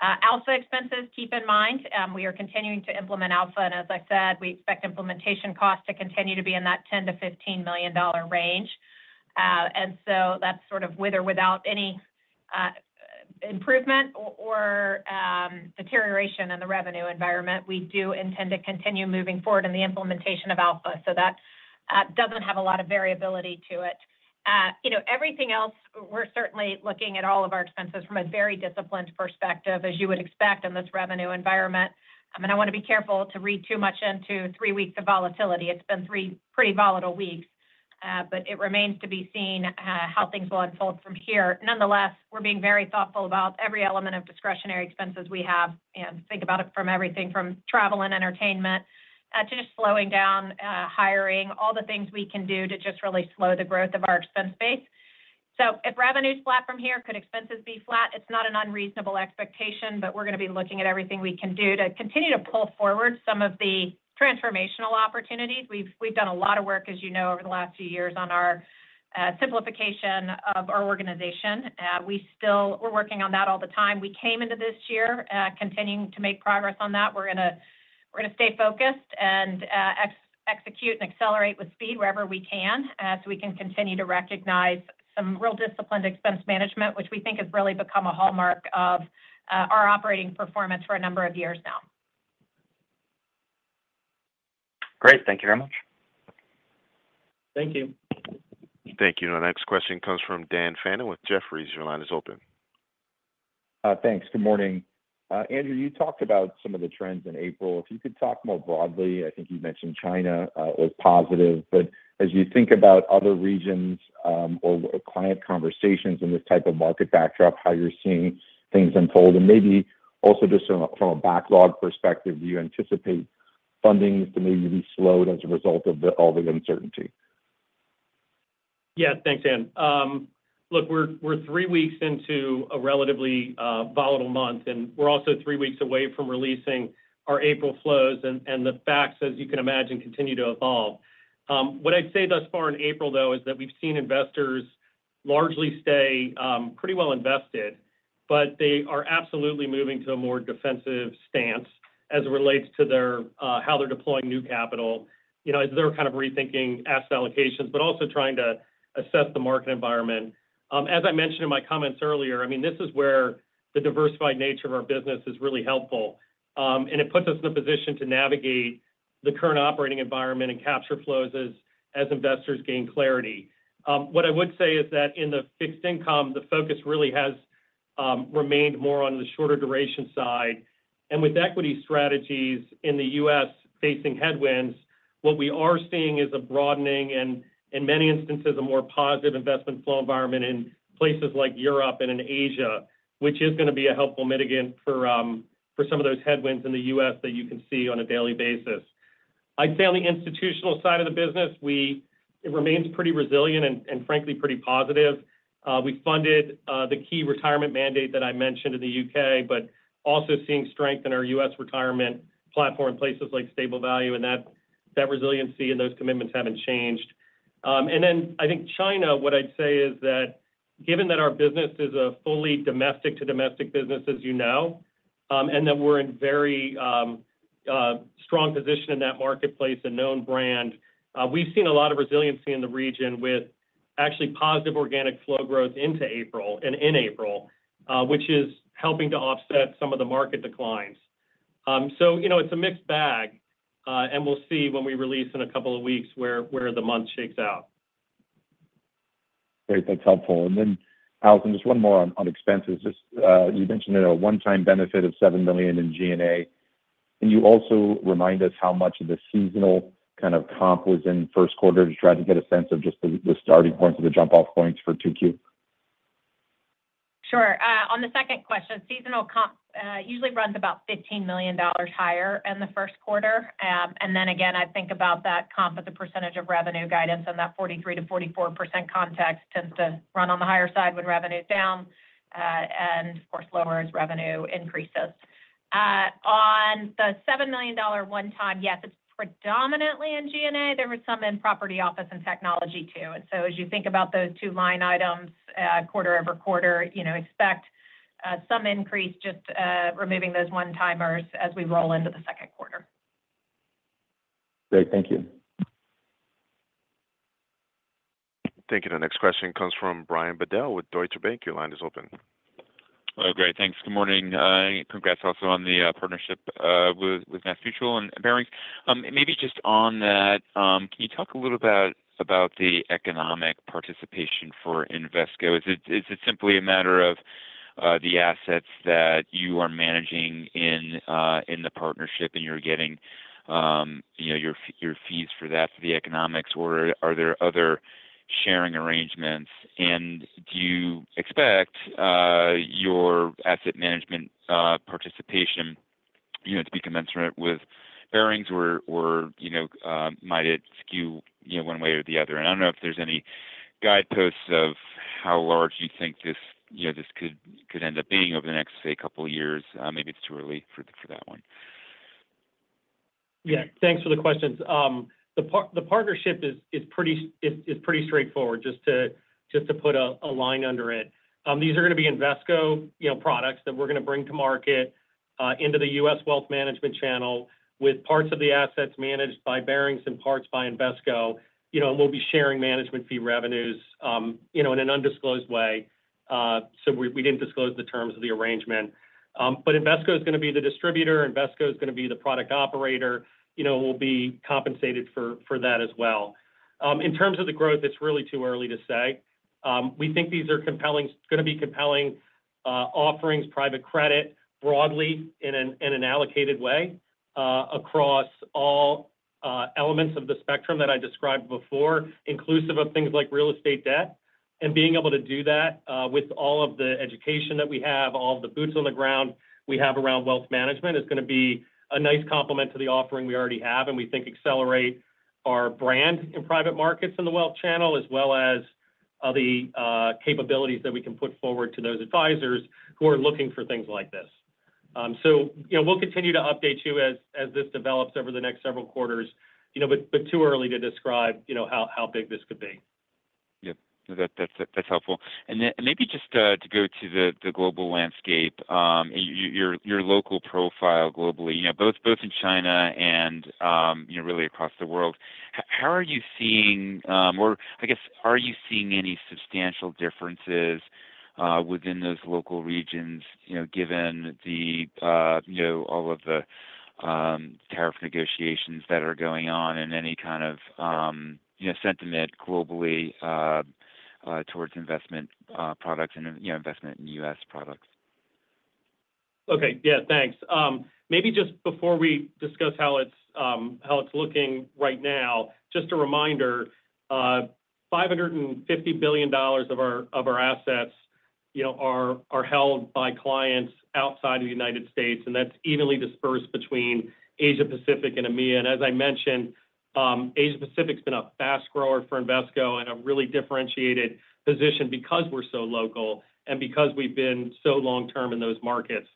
S4: Alpha expenses, keep in mind, we are continuing to implement Alpha, and as I said, we expect implementation costs to continue to be in that $10 million-$15 million range. That is sort of with or without any improvement or deterioration in the revenue environment. We do intend to continue moving forward in the implementation of Alpha, so that does not have a lot of variability to it. Everything else, we are certainly looking at all of our expenses from a very disciplined perspective, as you would expect in this revenue environment. I mean, I want to be careful to read too much into three weeks of volatility. It has been three pretty volatile weeks, but it remains to be seen how things will unfold from here. Nonetheless, we are being very thoughtful about every element of discretionary expenses we have and think about it from everything from travel and entertainment to just slowing down hiring, all the things we can do to just really slow the growth of our expense base. If revenues flat from here, could expenses be flat? It's not an unreasonable expectation, but we're going to be looking at everything we can do to continue to pull forward some of the transformational opportunities. We've done a lot of work, as you know, over the last few years on our simplification of our organization. We're working on that all the time. We came into this year continuing to make progress on that. We're going to stay focused and execute and accelerate with speed wherever we can so we can continue to recognize some real disciplined expense management, which we think has really become a hallmark of our operating performance for a number of years now.
S7: Great. Thank you very much.
S3: Thank you.
S1: Thank you. Now, next question comes from Dan Fannon with Jefferies. Your line is open.
S8: Thanks. Good morning. Andrew, you talked about some of the trends in April. If you could talk more broadly, I think you mentioned China was positive. As you think about other regions or client conversations in this type of market backdrop, how you're seeing things unfold, and maybe also just from a backlog perspective, do you anticipate funding to maybe be slowed as a result of all the uncertainty?
S3: Yeah, thanks, Dan. Look, we're three weeks into a relatively volatile month, and we're also three weeks away from releasing our April flows, and the facts, as you can imagine, continue to evolve. What I'd say thus far in April, though, is that we've seen investors largely stay pretty well invested, but they are absolutely moving to a more defensive stance as it relates to how they're deploying new capital as they're kind of rethinking asset allocations, but also trying to assess the market environment. As I mentioned in my comments earlier, I mean, this is where the diversified nature of our business is really helpful, and it puts us in a position to navigate the current operating environment and capture flows as investors gain clarity. What I would say is that in the fixed income, the focus really has remained more on the shorter duration side. With equity strategies in the U.S. facing headwinds, what we are seeing is a broadening and, in many instances, a more positive investment flow environment in places like Europe and in Asia, which is going to be a helpful mitigant for some of those headwinds in the U.S. that you can see on a daily basis. I'd say on the institutional side of the business, it remains pretty resilient and, frankly, pretty positive. We funded the key retirement mandate that I mentioned in the U.K., but also seeing strength in our U.S. retirement platform in places like Stable Value, and that resiliency and those commitments have not changed. I think China, what I would say is that given that our business is a fully domestic-to-domestic business, as you know, and that we are in a very strong position in that marketplace and known brand, we have seen a lot of resiliency in the region with actually positive organic flow growth into April and in April, which is helping to offset some of the market declines. It is a mixed bag, and we will see when we release in a couple of weeks where the month shakes out.
S8: Great. That is helpful. And then, Allison, just one more on expenses. You mentioned a one-time benefit of $7 million in G&A, and you also remind us how much of the seasonal kind of comp was in first quarter to try to get a sense of just the starting points of the jump-off points for 2Q.
S4: Sure. On the second question, seasonal comp usually runs about $15 million higher in the first quarter. I think about that comp as a percentage of revenue guidance, and that 43%-44% context tends to run on the higher side when revenue is down, and of course, lower as revenue increases. On the $7 million one-time, yes, it is predominantly in G&A. There was some in property office and technology too. As you think about those two line items, quarter over quarter, expect some increase just removing those one-timers as we roll into the second quarter.
S8: Great. Thank you.
S1: Thank you. Now, next question comes from Brian Bedell with Deutsche Bank. Your line is open.
S9: Hello. Great. Thanks. Good morning. Congrats also on the partnership with MassMutual and Barings. Maybe just on that, can you talk a little bit about the economic participation for Invesco? Is it simply a matter of the assets that you are managing in the partnership, and you're getting your fees for that through the economics, or are there other sharing arrangements? Do you expect your asset management participation to be commensurate with Barings, or might it skew one way or the other? I do not know if there's any guideposts of how large you think this could end up being over the next, say, couple of years. Maybe it's too early for that one.
S3: Yeah. Thanks for the questions. The partnership is pretty straightforward, just to put a line under it. These are going to be Invesco products that we're going to bring to market into the U.S. wealth management channel with parts of the assets managed by Barings and parts by Invesco, and we'll be sharing management fee revenues in an undisclosed way. We did not disclose the terms of the arrangement. Invesco is going to be the distributor. Invesco is going to be the product operator. We'll be compensated for that as well. In terms of the growth, it's really too early to say. We think these are going to be compelling offerings, private credit broadly in an allocated way across all elements of the spectrum that I described before, inclusive of things like real estate debt. Being able to do that with all of the education that we have, all of the boots on the ground we have around wealth management is going to be a nice complement to the offering we already have, and we think accelerate our brand in private markets in the wealth channel as well as the capabilities that we can put forward to those advisors who are looking for things like this. We will continue to update you as this develops over the next several quarters, but too early to describe how big this could be.
S9: Yep. That's helpful. Maybe just to go to the global landscape, your local profile globally, both in China and really across the world, how are you seeing, or I guess, are you seeing any substantial differences within those local regions given all of the tariff negotiations that are going on and any kind of sentiment globally towards investment products and investment in U.S. products?
S3: Okay. Yeah. Thanks. Maybe just before we discuss how it's looking right now, just a reminder, $550 billion of our assets are held by clients outside of the United States, and that's evenly dispersed between Asia-Pacific and EMEA. As I mentioned, Asia-Pacific has been a fast grower for Invesco and a really differentiated position because we're so local and because we've been so long-term in those markets.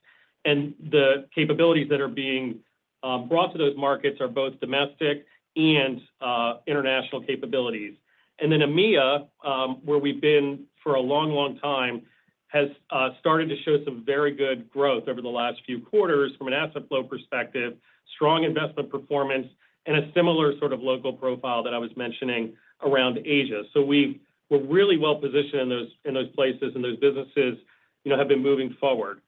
S3: The capabilities that are being brought to those markets are both domestic and international capabilities. EMEA, where we've been for a long, long time, has started to show some very good growth over the last few quarters from an asset flow perspective, strong investment performance, and a similar sort of local profile that I was mentioning around Asia. We are really well-positioned in those places, and those businesses have been moving forward.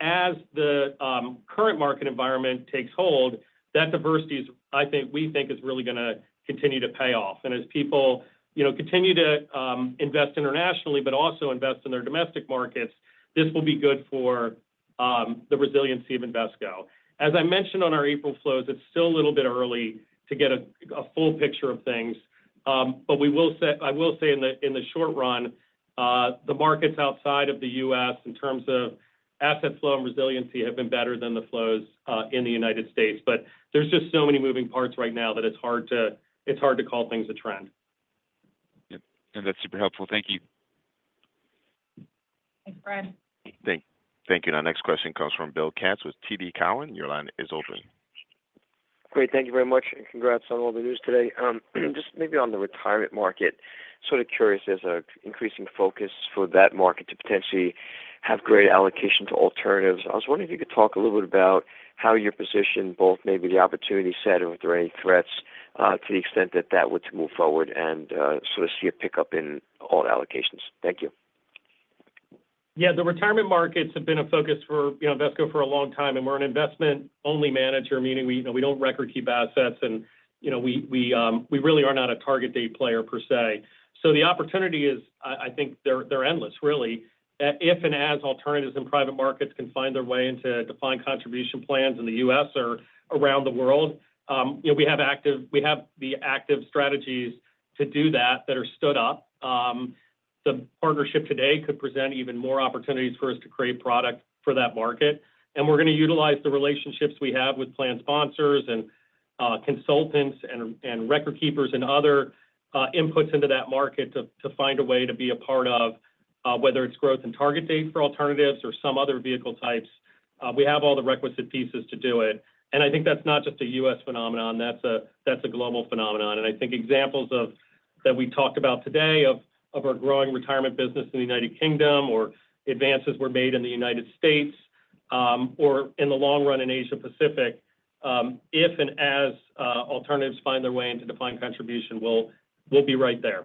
S3: As the current market environment takes hold, that diversity, I think, we think is really going to continue to pay off. As people continue to invest internationally but also invest in their domestic markets, this will be good for the resiliency of Invesco. As I mentioned on our April flows, it's still a little bit early to get a full picture of things, but I will say in the short run, the markets outside of the U.S., in terms of asset flow and resiliency, have been better than the flows in the United States. There are just so many moving parts right now that it's hard to call things a trend.
S9: Yep. And that's super helpful. Thank you.
S4: Thanks, Brian.
S1: Thank you. Now, next question comes from Bill Katz with TD Cowen. Your line is open.
S10: Great. Thank you very much, and congrats on all the news today. Just maybe on the retirement market, sort of curious, there's an increasing focus for that market to potentially have greater allocation to alternatives. I was wondering if you could talk a little bit about how you're positioned, both maybe the opportunity set and if there are any threats to the extent that that would move forward and sort of see a pickup in all allocations. Thank you.
S3: Yeah. The retirement markets have been a focus for Invesco for a long time, and we're an investment-only manager, meaning we don't record-keep assets, and we really are not a target date player per se. The opportunity is, I think they're endless, really. If and as alternatives in private markets can find their way into defined contribution plans in the U.S. or around the world, we have the active strategies to do that that are stood up. The partnership today could present even more opportunities for us to create product for that market. We are going to utilize the relationships we have with plan sponsors and consultants and record keepers and other inputs into that market to find a way to be a part of whether it is growth and target date for alternatives or some other vehicle types. We have all the requisite pieces to do it. I think that is not just a U.S. phenomenon. That is a global phenomenon. I think examples that we talked about today of our growing retirement business in the United Kingdom or advances we are making in the United States or in the long run in Asia-Pacific, if and as alternatives find their way into defined contribution, we will be right there.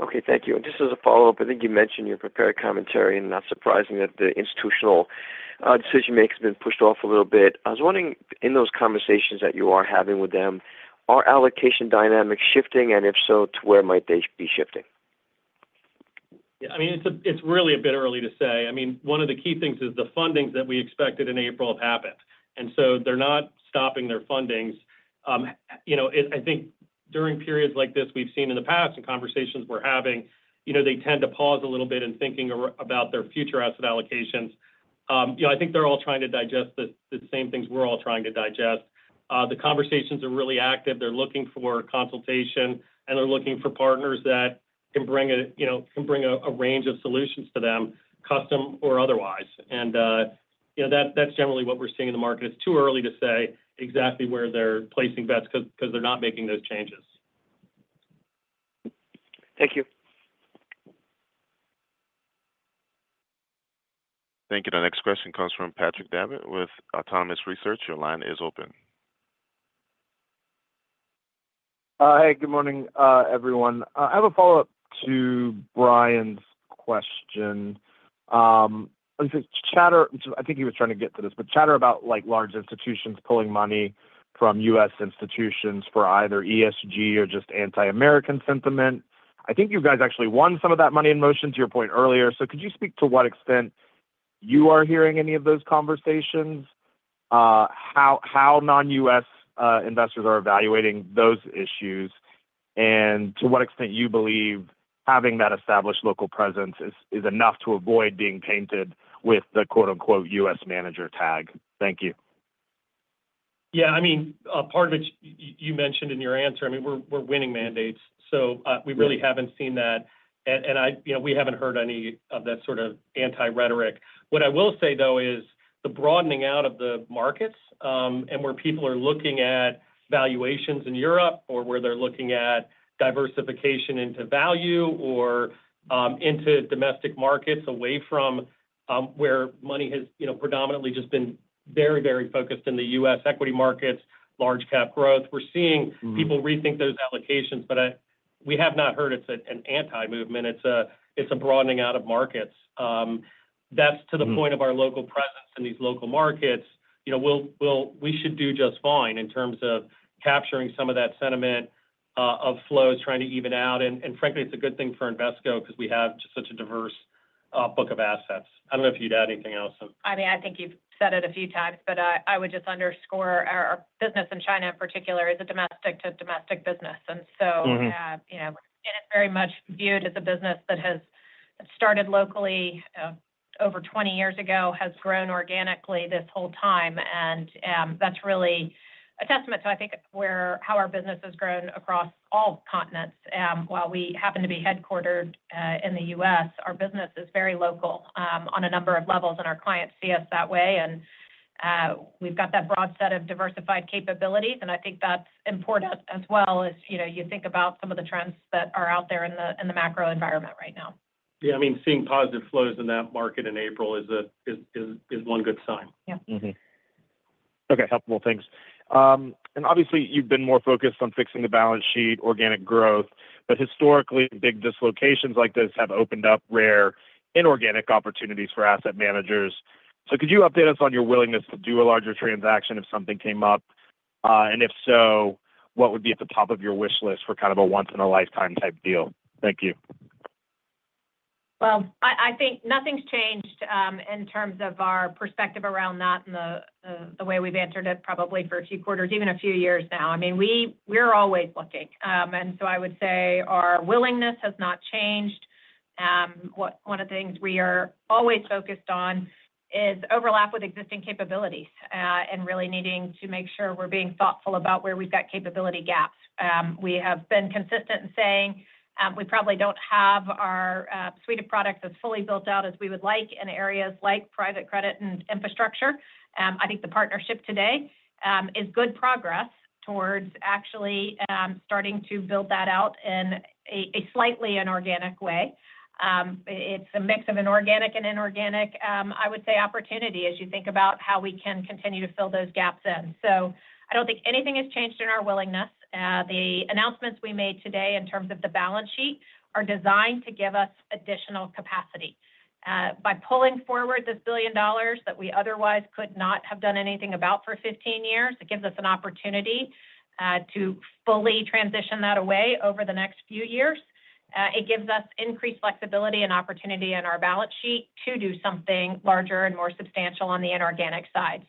S10: Okay. Thank you. Just as a follow-up, I think you mentioned your prepared commentary, and not surprising that the institutional decision-makers have been pushed off a little bit. I was wondering, in those conversations that you are having with them, are allocation dynamics shifting, and if so, to where might they be shifting?
S3: Yeah. I mean, it's really a bit early to say. I mean, one of the key things is the fundings that we expected in April have happened. They're not stopping their fundings. I think during periods like this we've seen in the past in conversations we're having, they tend to pause a little bit in thinking about their future asset allocations. I think they're all trying to digest the same things we're all trying to digest. The conversations are really active. They're looking for consultation, and they're looking for partners that can bring a range of solutions to them, custom or otherwise. That's generally what we're seeing in the market. It's too early to say exactly where they're placing bets because they're not making those changes.
S10: Thank you.
S1: Thank you. Now, next question comes from Patrick Davitt with Autonomous Research. Your line is open.
S11: Hey. Good morning, everyone. I have a follow-up to Brian's question. I think he was trying to get to this, but chatter about large institutions pulling money from U.S. institutions for either ESG or just anti-American sentiment. I think you guys actually won some of that money in motion to your point earlier. Could you speak to what extent you are hearing any of those conversations, how non-U.S. investors are evaluating those issues, and to what extent you believe having that established local presence is enough to avoid being painted with the "U.S. manager" tag? Thank you.
S3: Yeah. I mean, part of it you mentioned in your answer. I mean, we're winning mandates, so we really haven't seen that, and we haven't heard any of that sort of anti-rhetoric. What I will say, though, is the broadening out of the markets and where people are looking at valuations in Europe or where they're looking at diversification into value or into domestic markets away from where money has predominantly just been very, very focused in the U.S. equity markets, large-cap growth. We're seeing people rethink those allocations, but we have not heard it's an anti-movement. It's a broadening out of markets. That is to the point of our local presence in these local markets. We should do just fine in terms of capturing some of that sentiment of flows, trying to even out. And frankly, it's a good thing for Invesco because we have just such a diverse book of assets. I don't know if you'd add anything else.
S4: I mean, I think you've said it a few times, but I would just underscore our business in China in particular is a domestic-to-domestic business. It is very much viewed as a business that has started locally over 20 years ago, has grown organically this whole time. That's really a testament to, I think, how our business has grown across all continents. While we happen to be headquartered in the U.S., our business is very local on a number of levels, and our clients see us that way. We've got that broad set of diversified capabilities, and I think that's important as well as you think about some of the trends that are out there in the macro environment right now.
S3: Yeah. I mean, seeing positive flows in that market in April is one good sign.
S4: Yeah.
S11: Okay. Helpful. Thanks. Obviously, you've been more focused on fixing the balance sheet, organic growth. Historically, big dislocations like this have opened up rare inorganic opportunities for asset managers. Could you update us on your willingness to do a larger transaction if something came up? If so, what would be at the top of your wish list for kind of a once-in-a-lifetime type deal? Thank you.
S4: I think nothing's changed in terms of our perspective around that and the way we've answered it probably for a few quarters, even a few years now. I mean, we're always looking. I would say our willingness has not changed. One of the things we are always focused on is overlap with existing capabilities and really needing to make sure we're being thoughtful about where we've got capability gaps. We have been consistent in saying we probably don't have our suite of products as fully built out as we would like in areas like private credit and infrastructure. I think the partnership today is good progress towards actually starting to build that out in a slightly inorganic way. It's a mix of inorganic and organic, I would say, opportunity as you think about how we can continue to fill those gaps in. I don't think anything has changed in our willingness. The announcements we made today in terms of the balance sheet are designed to give us additional capacity. By pulling forward this $1 billion that we otherwise could not have done anything about for 15 years, it gives us an opportunity to fully transition that away over the next few years. It gives us increased flexibility and opportunity in our balance sheet to do something larger and more substantial on the inorganic side.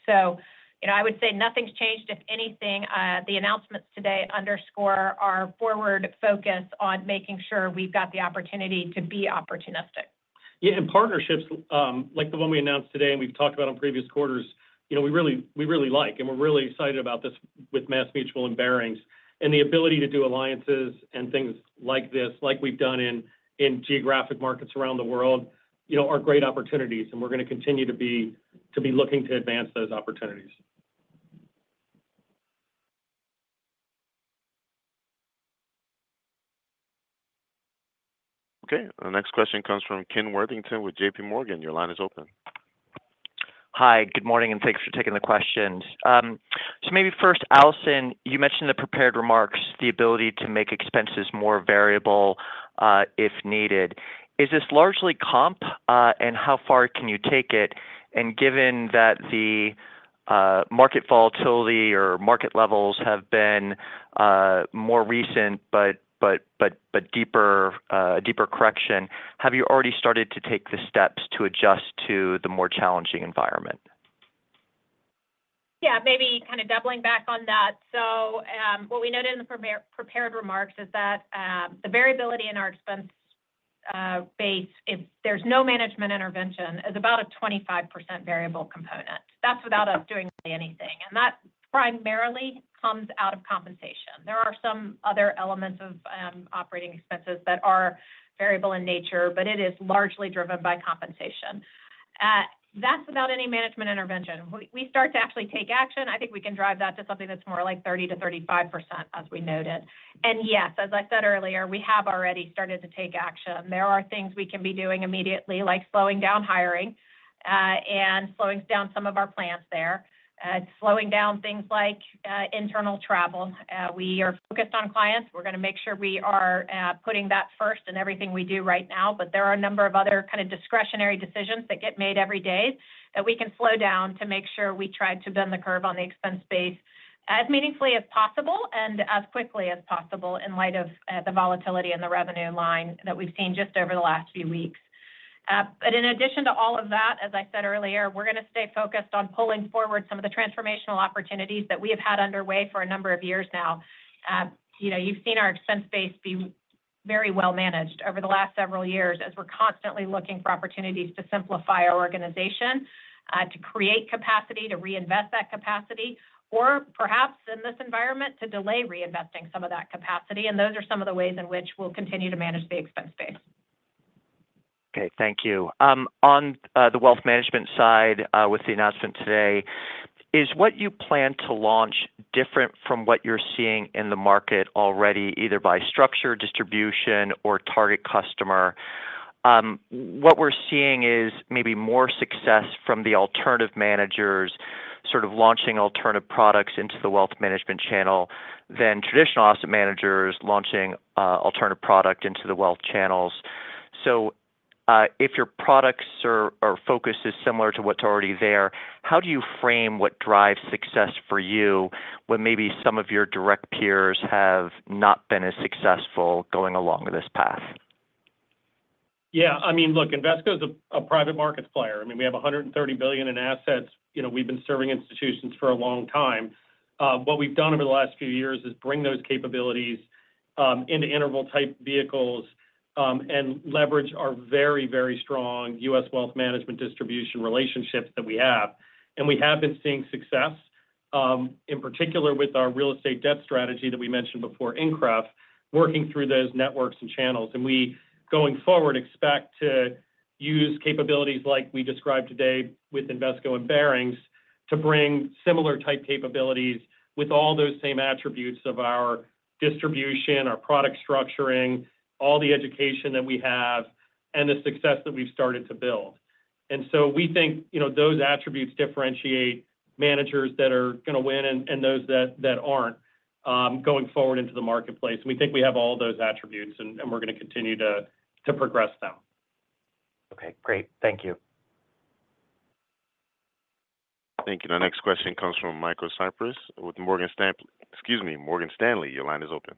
S4: I would say nothing's changed. If anything, the announcements today underscore our forward focus on making sure we've got the opportunity to be opportunistic.
S3: Yeah. Partnerships like the one we announced today and we've talked about in previous quarters, we really like, and we're really excited about this with MassMutual and Barings and the ability to do alliances and things like this, like we've done in geographic markets around the world, are great opportunities. We're going to continue to be looking to advance those opportunities.
S1: Okay. The next question comes from Ken Worthington with JPMorgan. Your line is open.
S12: Hi. Good morning, and thanks for taking the question. Maybe first, Allison, you mentioned in the prepared remarks the ability to make expenses more variable if needed. Is this largely comp, and how far can you take it? Given that the market volatility or market levels have been more recent but deeper correction, have you already started to take the steps to adjust to the more challenging environment?
S4: Yeah. Kind of doubling back on that, what we noted in the prepared remarks is that the variability in our expense base, if there is no management intervention, is about a 25% variable component. That is without us doing anything, and that primarily comes out of compensation. There are some other elements of operating expenses that are variable in nature, but it is largely driven by compensation. That is without any management intervention. We start to actually take action. I think we can drive that to something that's more like 30%-35%, as we noted. Yes, as I said earlier, we have already started to take action. There are things we can be doing immediately, like slowing down hiring and slowing down some of our plans there, slowing down things like internal travel. We are focused on clients. We're going to make sure we are putting that first in everything we do right now. There are a number of other kind of discretionary decisions that get made every day that we can slow down to make sure we try to bend the curve on the expense base as meaningfully as possible and as quickly as possible in light of the volatility in the revenue line that we've seen just over the last few weeks. In addition to all of that, as I said earlier, we're going to stay focused on pulling forward some of the transformational opportunities that we have had underway for a number of years now. You've seen our expense base be very well managed over the last several years as we're constantly looking for opportunities to simplify our organization, to create capacity, to reinvest that capacity, or perhaps in this environment, to delay reinvesting some of that capacity. Those are some of the ways in which we'll continue to manage the expense base.
S12: Okay. Thank you. On the wealth management side with the announcement today, is what you plan to launch different from what you're seeing in the market already, either by structure, distribution, or target customer? What we're seeing is maybe more success from the alternative managers sort of launching alternative products into the wealth management channel than traditional asset managers launching alternative product into the wealth channels. If your products or focus is similar to what's already there, how do you frame what drives success for you when maybe some of your direct peers have not been as successful going along this path?
S3: Yeah. I mean, look, Invesco is a private markets player. I mean, we have $130 billion in assets. We've been serving institutions for a long time. What we've done over the last few years is bring those capabilities into interval-type vehicles and leverage our very, very strong U.S. wealth management distribution relationships that we have. We have been seeing success, in particular with our real estate debt strategy that we mentioned before, INCREF, working through those networks and channels. We, going forward, expect to use capabilities like we described today with Invesco and Barings to bring similar-type capabilities with all those same attributes of our distribution, our product structuring, all the education that we have, and the success that we've started to build. We think those attributes differentiate managers that are going to win and those that are not going forward into the marketplace. We think we have all those attributes, and we're going to continue to progress them.
S12: Okay. Great. Thank you.
S1: Thank you. Now, next question comes from Michael Cyprys with Morgan Stanley. Excuse me, Morgan Stanley. Your line is open.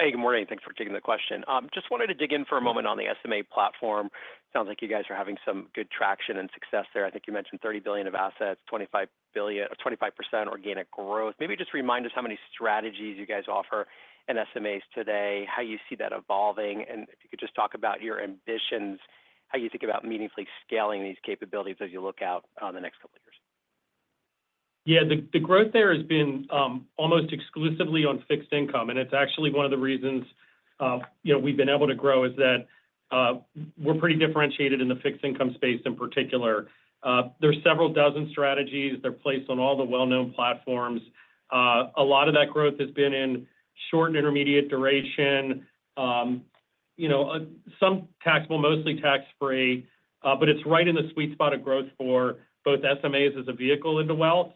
S13: Hey. Good morning. Thanks for taking the question. Just wanted to dig in for a moment on the SMA platform. Sounds like you guys are having some good traction and success there. I think you mentioned $30 billion of assets, 25% organic growth. Maybe just remind us how many strategies you guys offer in SMAs today, how you see that evolving. If you could just talk about your ambitions, how you think about meaningfully scaling these capabilities as you look out the next couple of years.
S3: Yeah. The growth there has been almost exclusively on fixed income. It's actually one of the reasons we've been able to grow is that we're pretty differentiated in the fixed income space in particular. There are several dozen strategies. They're placed on all the well-known platforms. A lot of that growth has been in short and intermediate duration, some taxable, mostly tax-free. It's right in the sweet spot of growth for both SMAs as a vehicle into wealth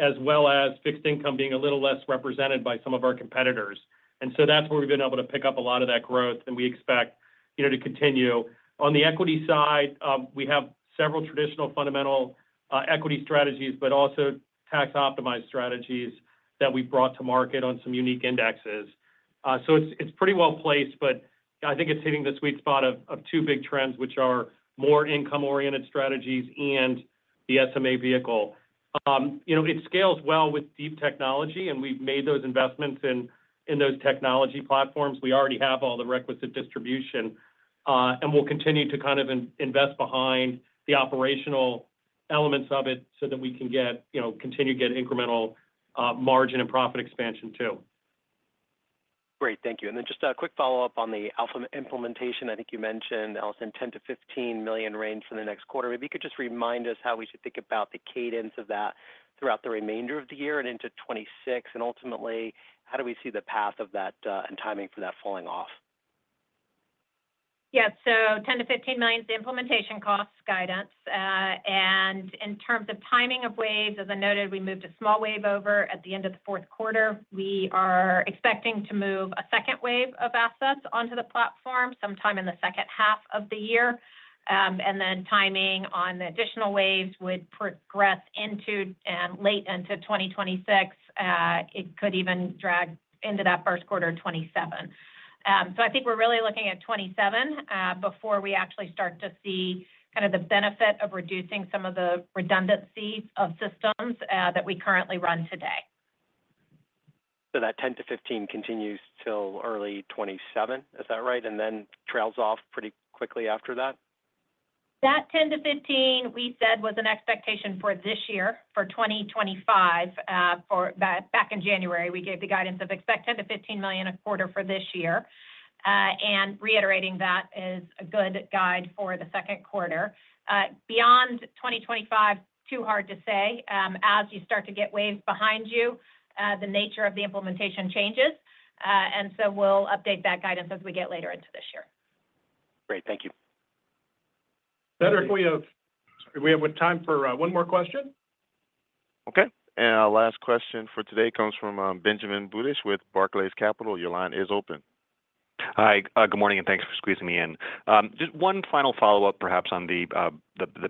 S3: as well as fixed income being a little less represented by some of our competitors. That is where we have been able to pick up a lot of that growth, and we expect to continue. On the equity side, we have several traditional fundamental equity strategies but also tax-optimized strategies that we have brought to market on some unique indexes. It is pretty well placed, but I think it is hitting the sweet spot of two big trends, which are more income-oriented strategies and the SMA vehicle. It scales well with deep technology, and we have made those investments in those technology platforms. We already have all the requisite distribution, and we will continue to kind of invest behind the operational elements of it so that we can continue to get incremental margin and profit expansion too.
S13: Great. Thank you. Just a quick follow-up on the Alpha platform implementation. I think you mentioned, Allison, $10 million-$15 million range for the next quarter. Maybe you could just remind us how we should think about the cadence of that throughout the remainder of the year and into 2026. Ultimately, how do we see the path of that and timing for that falling off?
S4: Yeah. $10 million-$15 million is the implementation costs guidance. In terms of timing of waves, as I noted, we moved a small wave over at the end of the fourth quarter. We are expecting to move a second wave of assets onto the platform sometime in the second half of the year. Timing on the additional waves would progress late into 2026. It could even drag into that first quarter of 2027. I think we are really looking at 2027 before we actually start to see kind of the benefit of reducing some of the redundancy of systems that we currently run today.
S13: That $10 million-$15 million continues till early 2027. Is that right? Then trails off pretty quickly after that?
S4: That $10 million-$15 million we said was an expectation for this year, for 2025. Back in January, we gave the guidance of expect $10 million-$15 million a quarter for this year. Reiterating, that is a good guide for the second quarter. Beyond 2025, too hard to say. As you start to get waves behind you, the nature of the implementation changes. We will update that guidance as we get later into this year.
S13: Great. Thank you.
S2: Cedric, we have time for one more question.
S1: Okay. Our last question for today comes from Benjamin Budish with Barclays Capital. Your line is open.
S14: Hi. Good morning, and thanks for squeezing me in. Just one final follow-up, perhaps, on the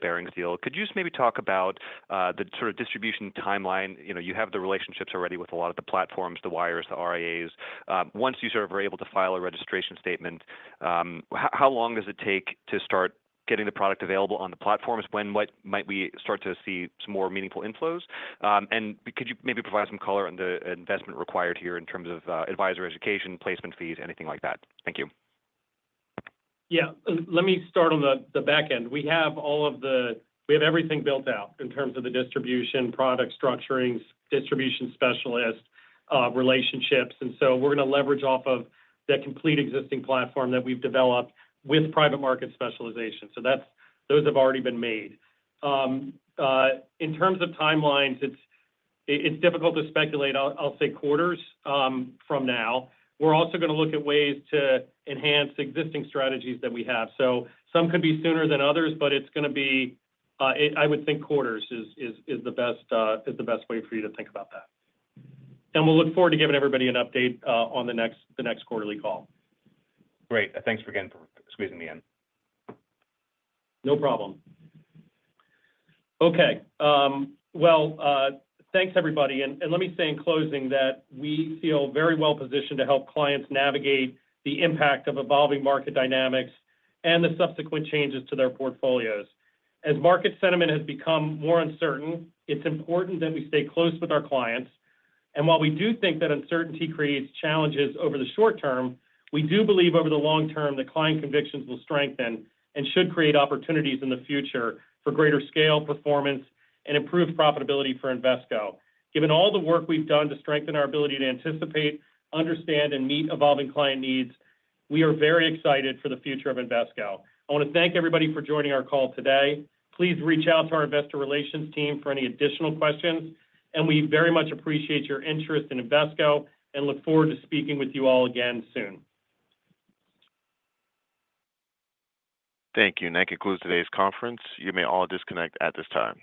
S14: Barings deal. Could you just maybe talk about the sort of distribution timeline? You have the relationships already with a lot of the platforms, the wires, the RIAs. Once you're able to file a registration statement, how long does it take to start getting the product available on the platforms? When might we start to see some more meaningful inflows? Could you maybe provide some color on the investment required here in terms of advisor education, placement fees, anything like that? Thank you.
S3: Yeah. Let me start on the back end. We have everything built out in terms of the distribution, product structuring, distribution specialist relationships. We are going to leverage off of the complete existing platform that we've developed with private market specialization. Those have already been made. In terms of timelines, it's difficult to speculate. I'll say quarters from now. We're also going to look at ways to enhance existing strategies that we have. Some could be sooner than others, but it's going to be, I would think, quarters is the best way for you to think about that. We'll look forward to giving everybody an update on the next quarterly call.
S14: Great. Thanks for, again, squeezing me in.
S3: No problem. Okay. Thanks, everybody. Let me say in closing that we feel very well positioned to help clients navigate the impact of evolving market dynamics and the subsequent changes to their portfolios. As market sentiment has become more uncertain, it's important that we stay close with our clients. While we do think that uncertainty creates challenges over the short term, we do believe over the long term that client convictions will strengthen and should create opportunities in the future for greater scale, performance, and improved profitability for Invesco. Given all the work we have done to strengthen our ability to anticipate, understand, and meet evolving client needs, we are very excited for the future of Invesco. I want to thank everybody for joining our call today. Please reach out to our investor relations team for any additional questions. We very much appreciate your interest in Invesco and look forward to speaking with you all again soon.
S1: Thank you. That concludes today's conference. You may all disconnect at this time.